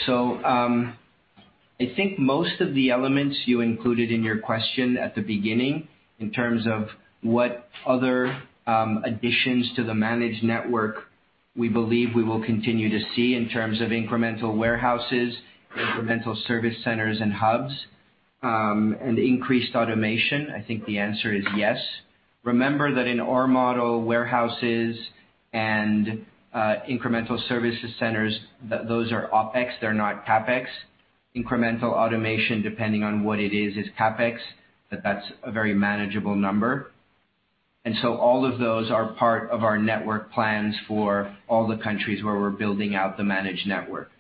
I think most of the elements you included in your question at the beginning, in terms of what other additions to the managed network we believe we will continue to see in terms of incremental warehouses, incremental service centers and hubs, and increased automation, I think the answer is yes. Remember that in our model, warehouses and incremental services centers, those are OpEx, they're not CapEx. Incremental automation, depending on what it is CapEx, but that's a very manageable number. All of those are part of our network plans for all the countries where we're building out the managed network.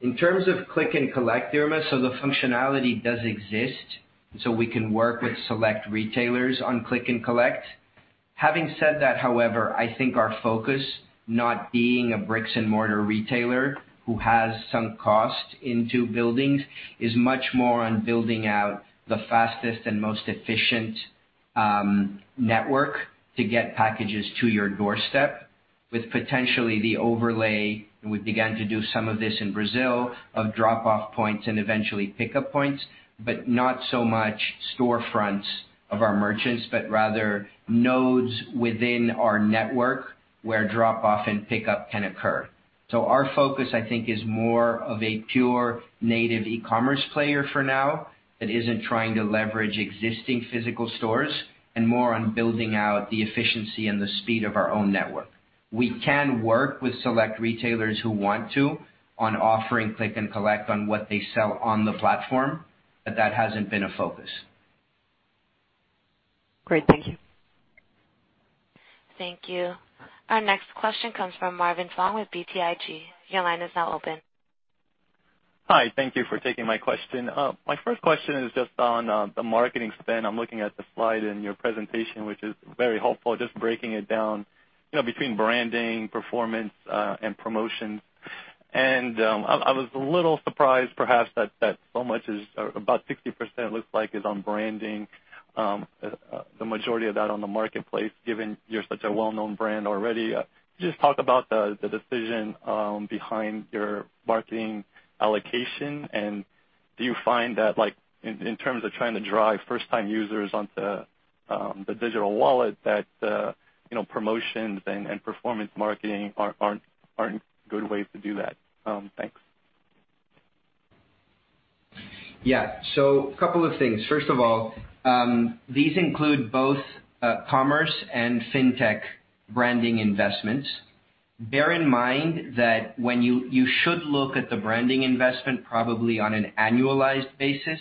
In terms of click and collect, Irma, the functionality does exist, so we can work with select retailers on click and collect. Having said that, however, I think our focus, not being a bricks-and-mortar retailer who has sunk cost into buildings, is much more on building out the fastest and most efficient network to get packages to your doorstep, with potentially the overlay, and we began to do some of this in Brazil, of drop-off points and eventually pickup points, but not so much storefronts of our merchants, but rather nodes within our network where drop-off and pickup can occur. Our focus, I think, is more of a pure native e-commerce player for now that isn't trying to leverage existing physical stores and more on building out the efficiency and the speed of our own network. We can work with select retailers who want to on offering click and collect on what they sell on the platform, but that hasn't been a focus. Great. Thank you. Thank you. Our next question comes from Marvin Fong with BTIG. Your line is now open. Hi. Thank you for taking my question. My first question is just on the marketing spend. I'm looking at the slide in your presentation, which is very helpful, just breaking it down between branding, performance, and promotion. I was a little surprised perhaps that so much as about 60% looks like is on branding, the majority of that on the marketplace, given you're such a well-known brand already. Could you just talk about the decision behind your marketing allocation, and do you find that in terms of trying to drive first-time users onto the digital wallet, that promotions and performance marketing aren't good ways to do that? Thanks. Yeah. A couple of things. First of all, these include both commerce and fintech branding investments. Bear in mind that you should look at the branding investment probably on an annualized basis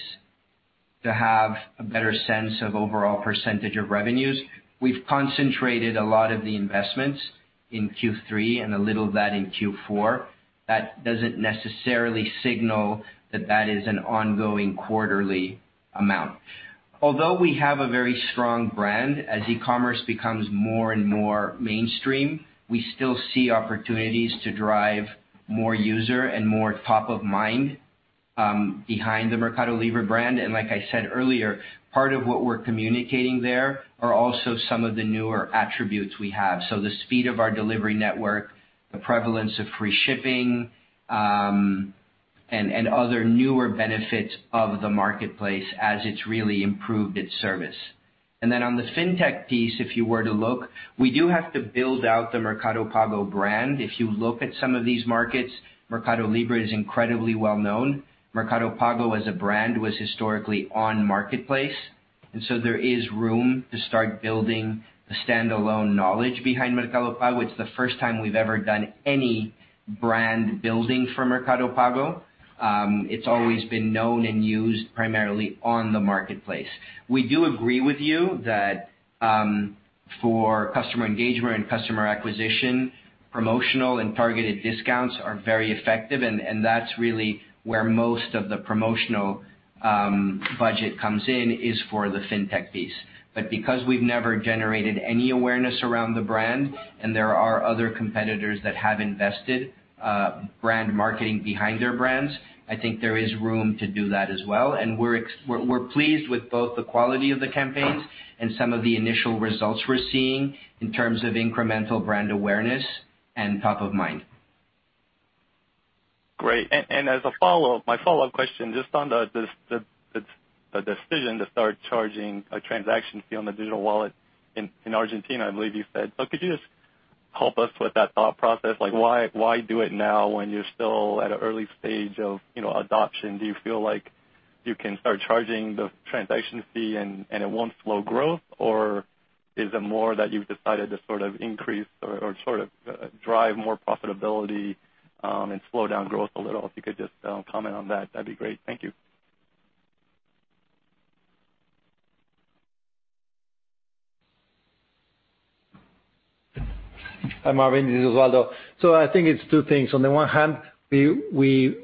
to have a better sense of overall percentage of revenues. We've concentrated a lot of the investments in Q3 and a little of that in Q4. That doesn't necessarily signal that that is an ongoing quarterly amount. Although we have a very strong brand, as e-commerce becomes more and more mainstream, we still see opportunities to drive more user and more top of mind behind the Mercado Libre brand. Like I said earlier, part of what we're communicating there are also some of the newer attributes we have. The speed of our delivery network, the prevalence of free shipping, and other newer benefits of the marketplace as it's really improved its service. On the fintech piece, if you were to look, we do have to build out the Mercado Pago brand. If you look at some of these markets, Mercado Libre is incredibly well known. Mercado Pago as a brand was historically on marketplace, there is room to start building the standalone knowledge behind Mercado Pago. It's the first time we've ever done any brand building for Mercado Pago. It's always been known and used primarily on the marketplace. We do agree with you that for customer engagement and customer acquisition, promotional and targeted discounts are very effective, that's really where most of the promotional budget comes in, is for the fintech piece. Because we've never generated any awareness around the brand and there are other competitors that have invested brand marketing behind their brands, I think there is room to do that as well, and we're pleased with both the quality of the campaigns and some of the initial results we're seeing in terms of incremental brand awareness and top of mind. Great. As my follow-up question, just on the decision to start charging a transaction fee on the digital wallet in Argentina, I believe you said. Could you just help us with that thought process? Why do it now when you're still at an early stage of adoption? Do you feel like you can start charging the transaction fee and it won't slow growth? Or is it more that you've decided to increase or drive more profitability and slow down growth a little? If you could just comment on that'd be great. Thank you. Hi, Marvin, this is Osvaldo. I think it's two things. On the one hand, we were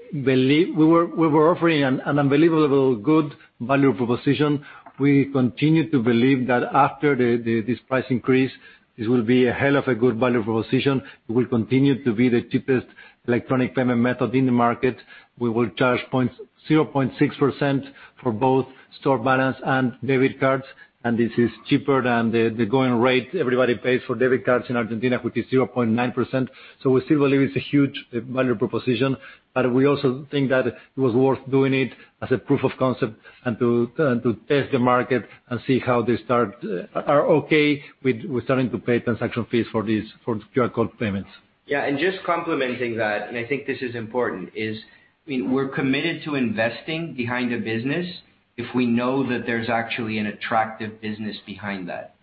offering an unbelievably good value proposition. We continue to believe that after this price increase, this will be a hell of a good value proposition. It will continue to be the cheapest electronic payment method in the market. We will charge 0.6% for both store balance and debit cards, and this is cheaper than the going rate everybody pays for debit cards in Argentina, which is 0.9%. We still believe it's a huge value proposition, but we also think that it was worth doing it as a proof of concept and to test the market and see how they are okay with starting to pay transaction fees for QR code payments. Yeah. Just complementing that, and I think this is important, is we're committed to investing behind a business if we know that there's actually an attractive business behind that.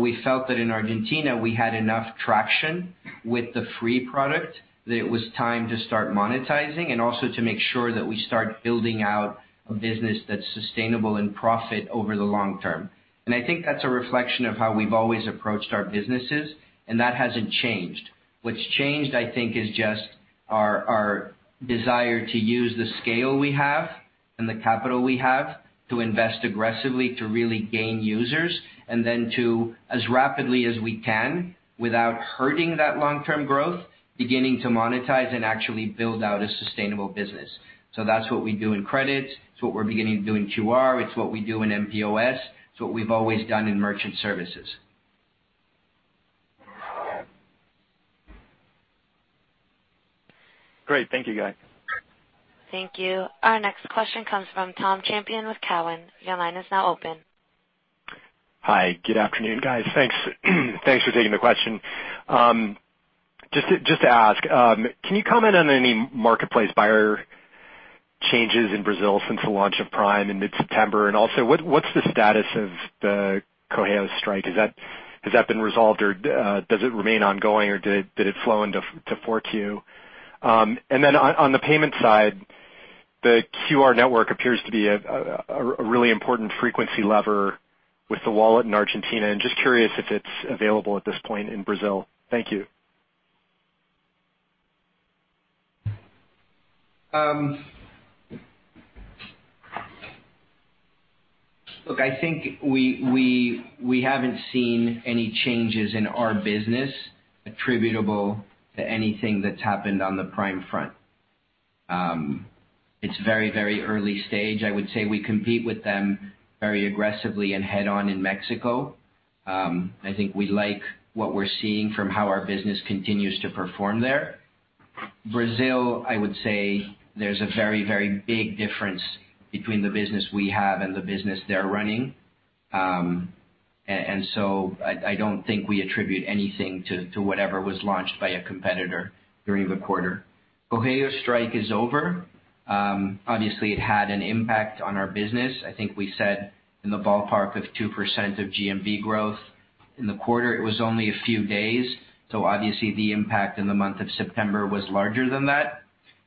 We felt that in Argentina we had enough traction with the free product that it was time to start monetizing and also to make sure that we start building out a business that's sustainable and profit over the long term. I think that's a reflection of how we've always approached our businesses, and that hasn't changed. What's changed, I think, is just our desire to use the scale we have and the capital we have to invest aggressively to really gain users, and then to, as rapidly as we can without hurting that long-term growth, beginning to monetize and actually build out a sustainable business. That's what we do in credit. It's what we're beginning to do in QR. It's what we do in mPOS. It's what we've always done in merchant services. Great. Thank you, guys. Thank you. Our next question comes from Tom Champion with Cowen. Your line is now open. Hi. Good afternoon, guys. Thanks for taking the question. Just to ask, can you comment on any marketplace buyer changes in Brazil since the launch of Prime in mid-September? Also, what's the status of the Correios strike? Has that been resolved or does it remain ongoing, or did it flow into 4Q? Then on the payment side, the QR network appears to be a really important frequency lever with the wallet in Argentina, and just curious if it's available at this point in Brazil. Thank you. Look, I think we haven't seen any changes in our business attributable to anything that's happened on the Prime front. It's very early stage. I would say we compete with them very aggressively and head-on in Mexico. I think we like what we're seeing from how our business continues to perform there. Brazil, I would say there's a very big difference between the business we have and the business they're running. I don't think we attribute anything to whatever was launched by a competitor during the quarter. Correios strike is over. Obviously, it had an impact on our business. I think we said in the ballpark of 2% of GMV growth in the quarter. It was only a few days. Obviously the impact in the month of September was larger than that.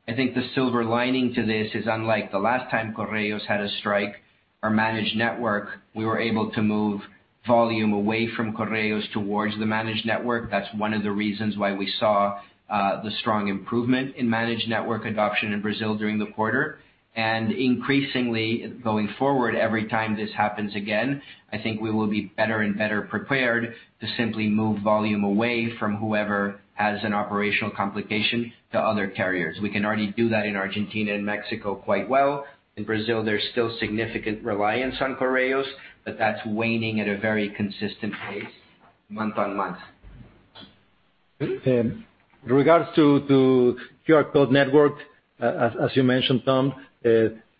I think the silver lining to this is unlike the last time Correios had a strike, our managed network, we were able to move volume away from Correios towards the managed network. That's one of the reasons why we saw the strong improvement in managed network adoption in Brazil during the quarter. Increasingly going forward, every time this happens again, I think we will be better and better prepared to simply move volume away from whoever has an operational complication to other carriers. We can already do that in Argentina and Mexico quite well. In Brazil, there's still significant reliance on Correios, but that's waning at a very consistent pace month-on-month. In regards to QR code network, as you mentioned, Tom,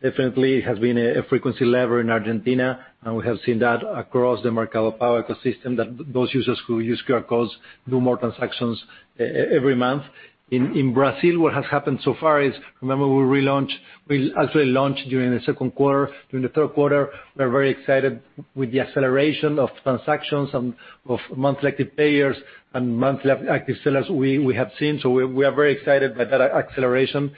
definitely has been a frequency lever in Argentina, and we have seen that across the Mercado Pago ecosystem, that those users who use QR codes do more transactions every month. In Brazil, what has happened so far is, remember as we launched during the second quarter, during the third quarter, we are very excited with the acceleration of transactions and of monthly active payers and monthly active sellers we have seen. We are very excited by that acceleration.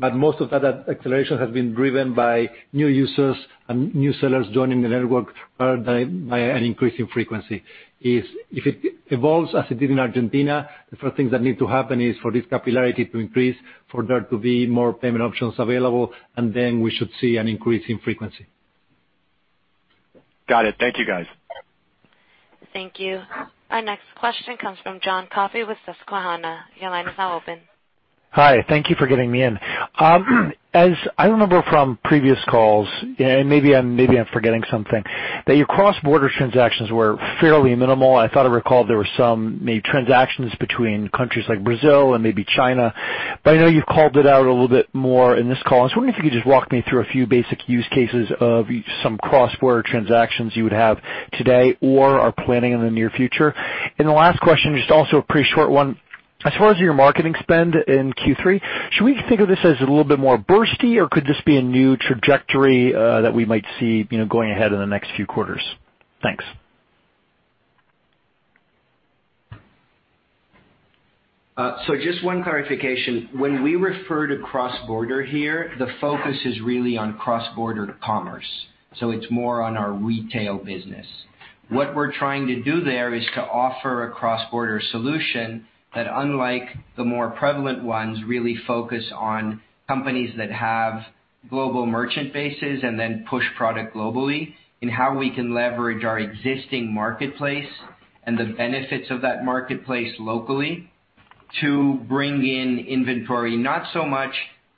Most of that acceleration has been driven by new users and new sellers joining the network rather than by an increase in frequency. If it evolves as it did in Argentina, the first things that need to happen is for this capillarity to increase, for there to be more payment options available, and then we should see an increase in frequency. Got it. Thank you, guys. Thank you. Our next question comes from John Coffey with Susquehanna. Your line is now open. Hi. Thank you for getting me in. As I remember from previous calls, and maybe I'm forgetting something, that your cross-border transactions were fairly minimal. I thought I recalled there were some maybe transactions between countries like Brazil and maybe China. I know you've called it out a little bit more in this call. I was wondering if you could just walk me through a few basic use cases of some cross-border transactions you would have today or are planning in the near future. The last question, just also a pretty short one. As far as your marketing spend in Q3, should we think of this as a little bit more bursty, or could this be a new trajectory that we might see going ahead in the next few quarters? Thanks. Just one clarification. When we refer to cross-border here, the focus is really on cross-border commerce. It's more on our retail business. What we're trying to do there is to offer a cross-border solution that, unlike the more prevalent ones, really focus on companies that have global merchant bases and then push product globally, and how we can leverage our existing marketplace and the benefits of that marketplace locally to bring in inventory, not so much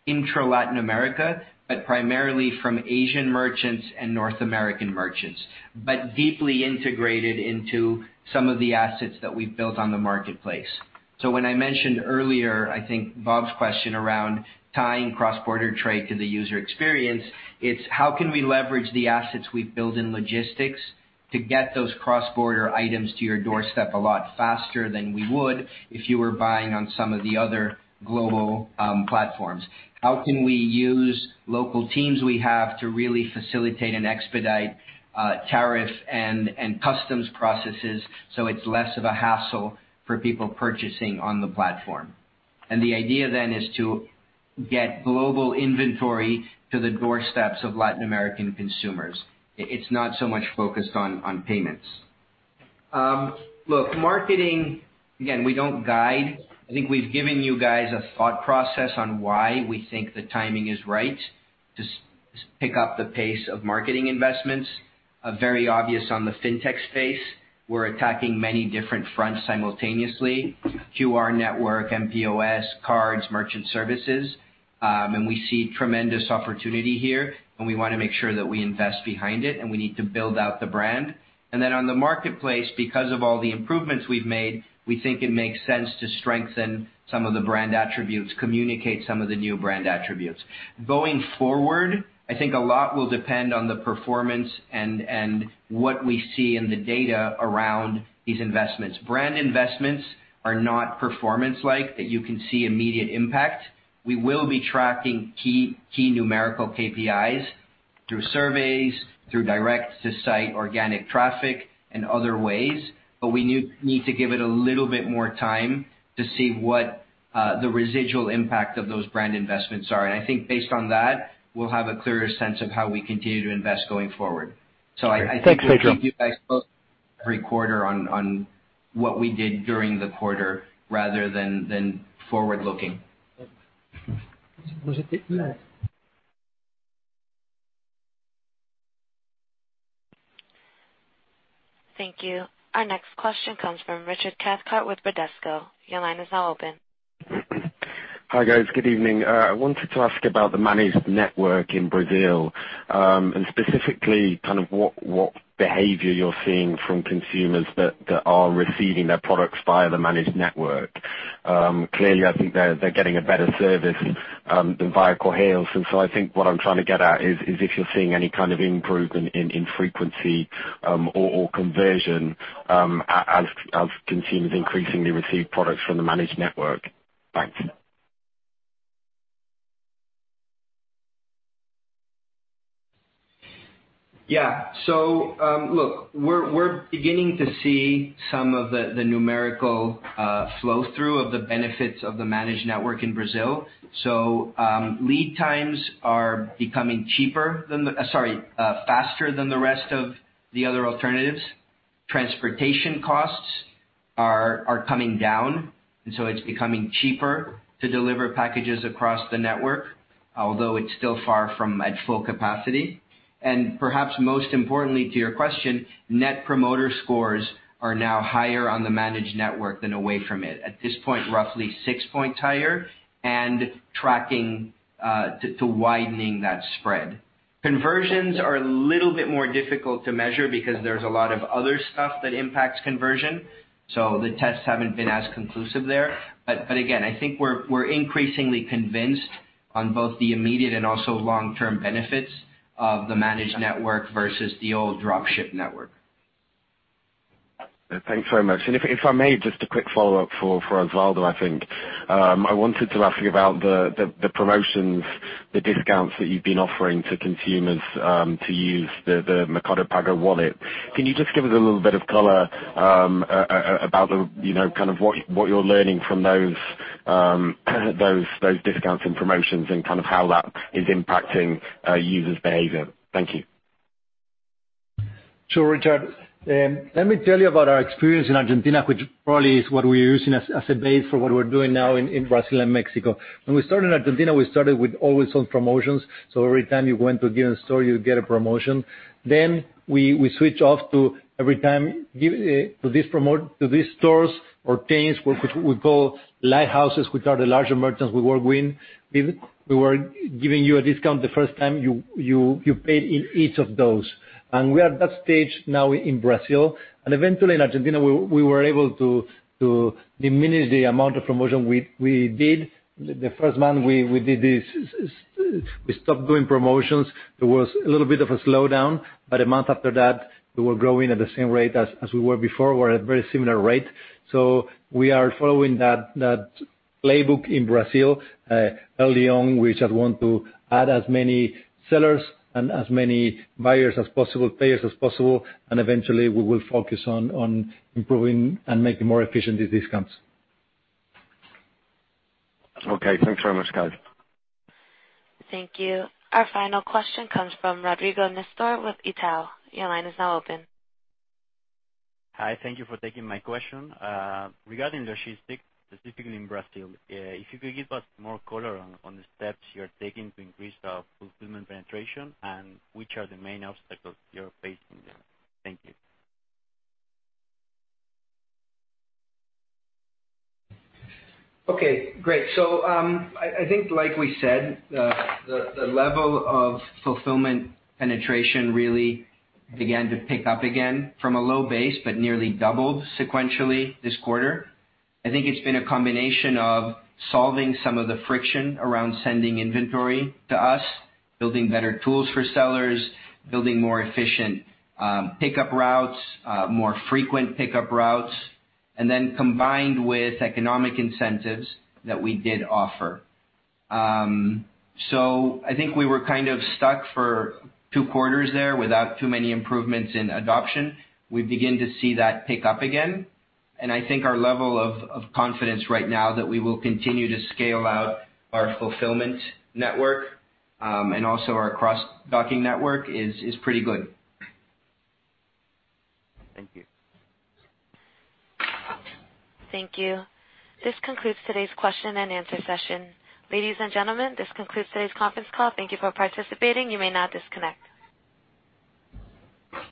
intra-Latin America, but primarily from Asian merchants and North American merchants, but deeply integrated into some of the assets that we've built on the marketplace. When I mentioned earlier, I think Bob's question around tying cross-border trade to the user experience, it's how can we leverage the assets we've built in logistics to get those cross-border items to your doorstep a lot faster than we would if you were buying on some of the other global platforms. How can we use local teams we have to really facilitate and expedite tariff and customs processes so it's less of a hassle for people purchasing on the platform? The idea then is to get global inventory to the doorsteps of Latin American consumers. It's not so much focused on payments. Look, marketing, again, we don't guide. I think we've given you guys a thought process on why we think the timing is right to pick up the pace of marketing investments. Very obvious on the fintech space, we're attacking many different fronts simultaneously, QR network, mPOS, cards, merchant services. We see tremendous opportunity here, and we want to make sure that we invest behind it, and we need to build out the brand. On the marketplace, because of all the improvements we've made, we think it makes sense to strengthen some of the brand attributes, communicate some of the new brand attributes. Going forward, I think a lot will depend on the performance and what we see in the data around these investments. Brand investments are not performance-like that you can see immediate impact. We will be tracking key numerical KPIs through surveys, through direct-to-site organic traffic and other ways. We need to give it a little bit more time to see what the residual impact of those brand investments are. I think based on that, we'll have a clearer sense of how we continue to invest going forward. Thanks, Pedro. I think we'll keep you guys posted every quarter on what we did during the quarter rather than forward-looking. Thank you. Our next question comes from Richard Cathcart with Bradesco. Your line is now open. Hi, guys. Good evening. I wanted to ask about the managed network in Brazil, and specifically kind of what behavior you're seeing from consumers that are receiving their products via the managed network. Clearly, I think they're getting a better service than via Correios. I think what I'm trying to get at is if you're seeing any kind of improvement in frequency or conversion as consumers increasingly receive products from the managed network. Thanks. Yeah. Look, we're beginning to see some of the numerical flow-through of the benefits of the managed network in Brazil. Lead times are becoming faster than the rest of the other alternatives. Transportation costs are coming down. It's becoming cheaper to deliver packages across the network, although it's still far from at full capacity. Perhaps most importantly to your question, net promoter scores are now higher on the managed network than away from it, at this point, roughly six points higher and tracking to widening that spread. Conversions are a little bit more difficult to measure because there's a lot of other stuff that impacts conversion. The tests haven't been as conclusive there. Again, I think we're increasingly convinced on both the immediate and also long-term benefits of the managed network versus the old drop ship network. Thanks very much. If I may, just a quick follow-up for Osvaldo, I think. I wanted to ask about the promotions, the discounts that you've been offering to consumers to use the Mercado Pago wallet. Can you just give us a little bit of color about kind of what you're learning from those discounts and promotions and kind of how that is impacting users' behavior. Thank you. Sure, Richard. Let me tell you about our experience in Argentina, which probably is what we're using as a base for what we're doing now in Brazil and Mexico. Every time you went to a given store, you would get a promotion. We switch off to every time to these stores or chains, which we call lighthouses, which are the larger merchants we work with. We were giving you a discount the first time you paid in each of those. We are at that stage now in Brazil. Eventually in Argentina, we were able to diminish the amount of promotion we did. The first month we did this, we stopped doing promotions. There was a little bit of a slowdown, but a month after that, we were growing at the same rate as we were before. We're at very similar rate. We are following that playbook in Brazil. Early on, we just want to add as many sellers and as many buyers as possible, payers as possible, and eventually we will focus on improving and making more efficient the discounts. Okay. Thanks very much, guys. Thank you. Our final question comes from Rodrigo Nistor with Itaú. Your line is now open. Hi. Thank you for taking my question. Regarding logistics, specifically in Brazil, if you could give us more color on the steps you're taking to increase the fulfillment penetration and which are the main obstacles you're facing there. Thank you. Okay, great. I think like we said, the level of fulfillment penetration really began to pick up again from a low base, but nearly doubled sequentially this quarter. I think it's been a combination of solving some of the friction around sending inventory to us, building better tools for sellers, building more efficient pickup routes, more frequent pickup routes, and then combined with economic incentives that we did offer. I think we were kind of stuck for two quarters there without too many improvements in adoption. We begin to see that pick up again. I think our level of confidence right now that we will continue to scale out our fulfillment network, and also our cross-docking network, is pretty good. Thank you. Thank you. This concludes today's question and answer session. Ladies and gentlemen, this concludes today's conference call. Thank you for participating. You may now disconnect.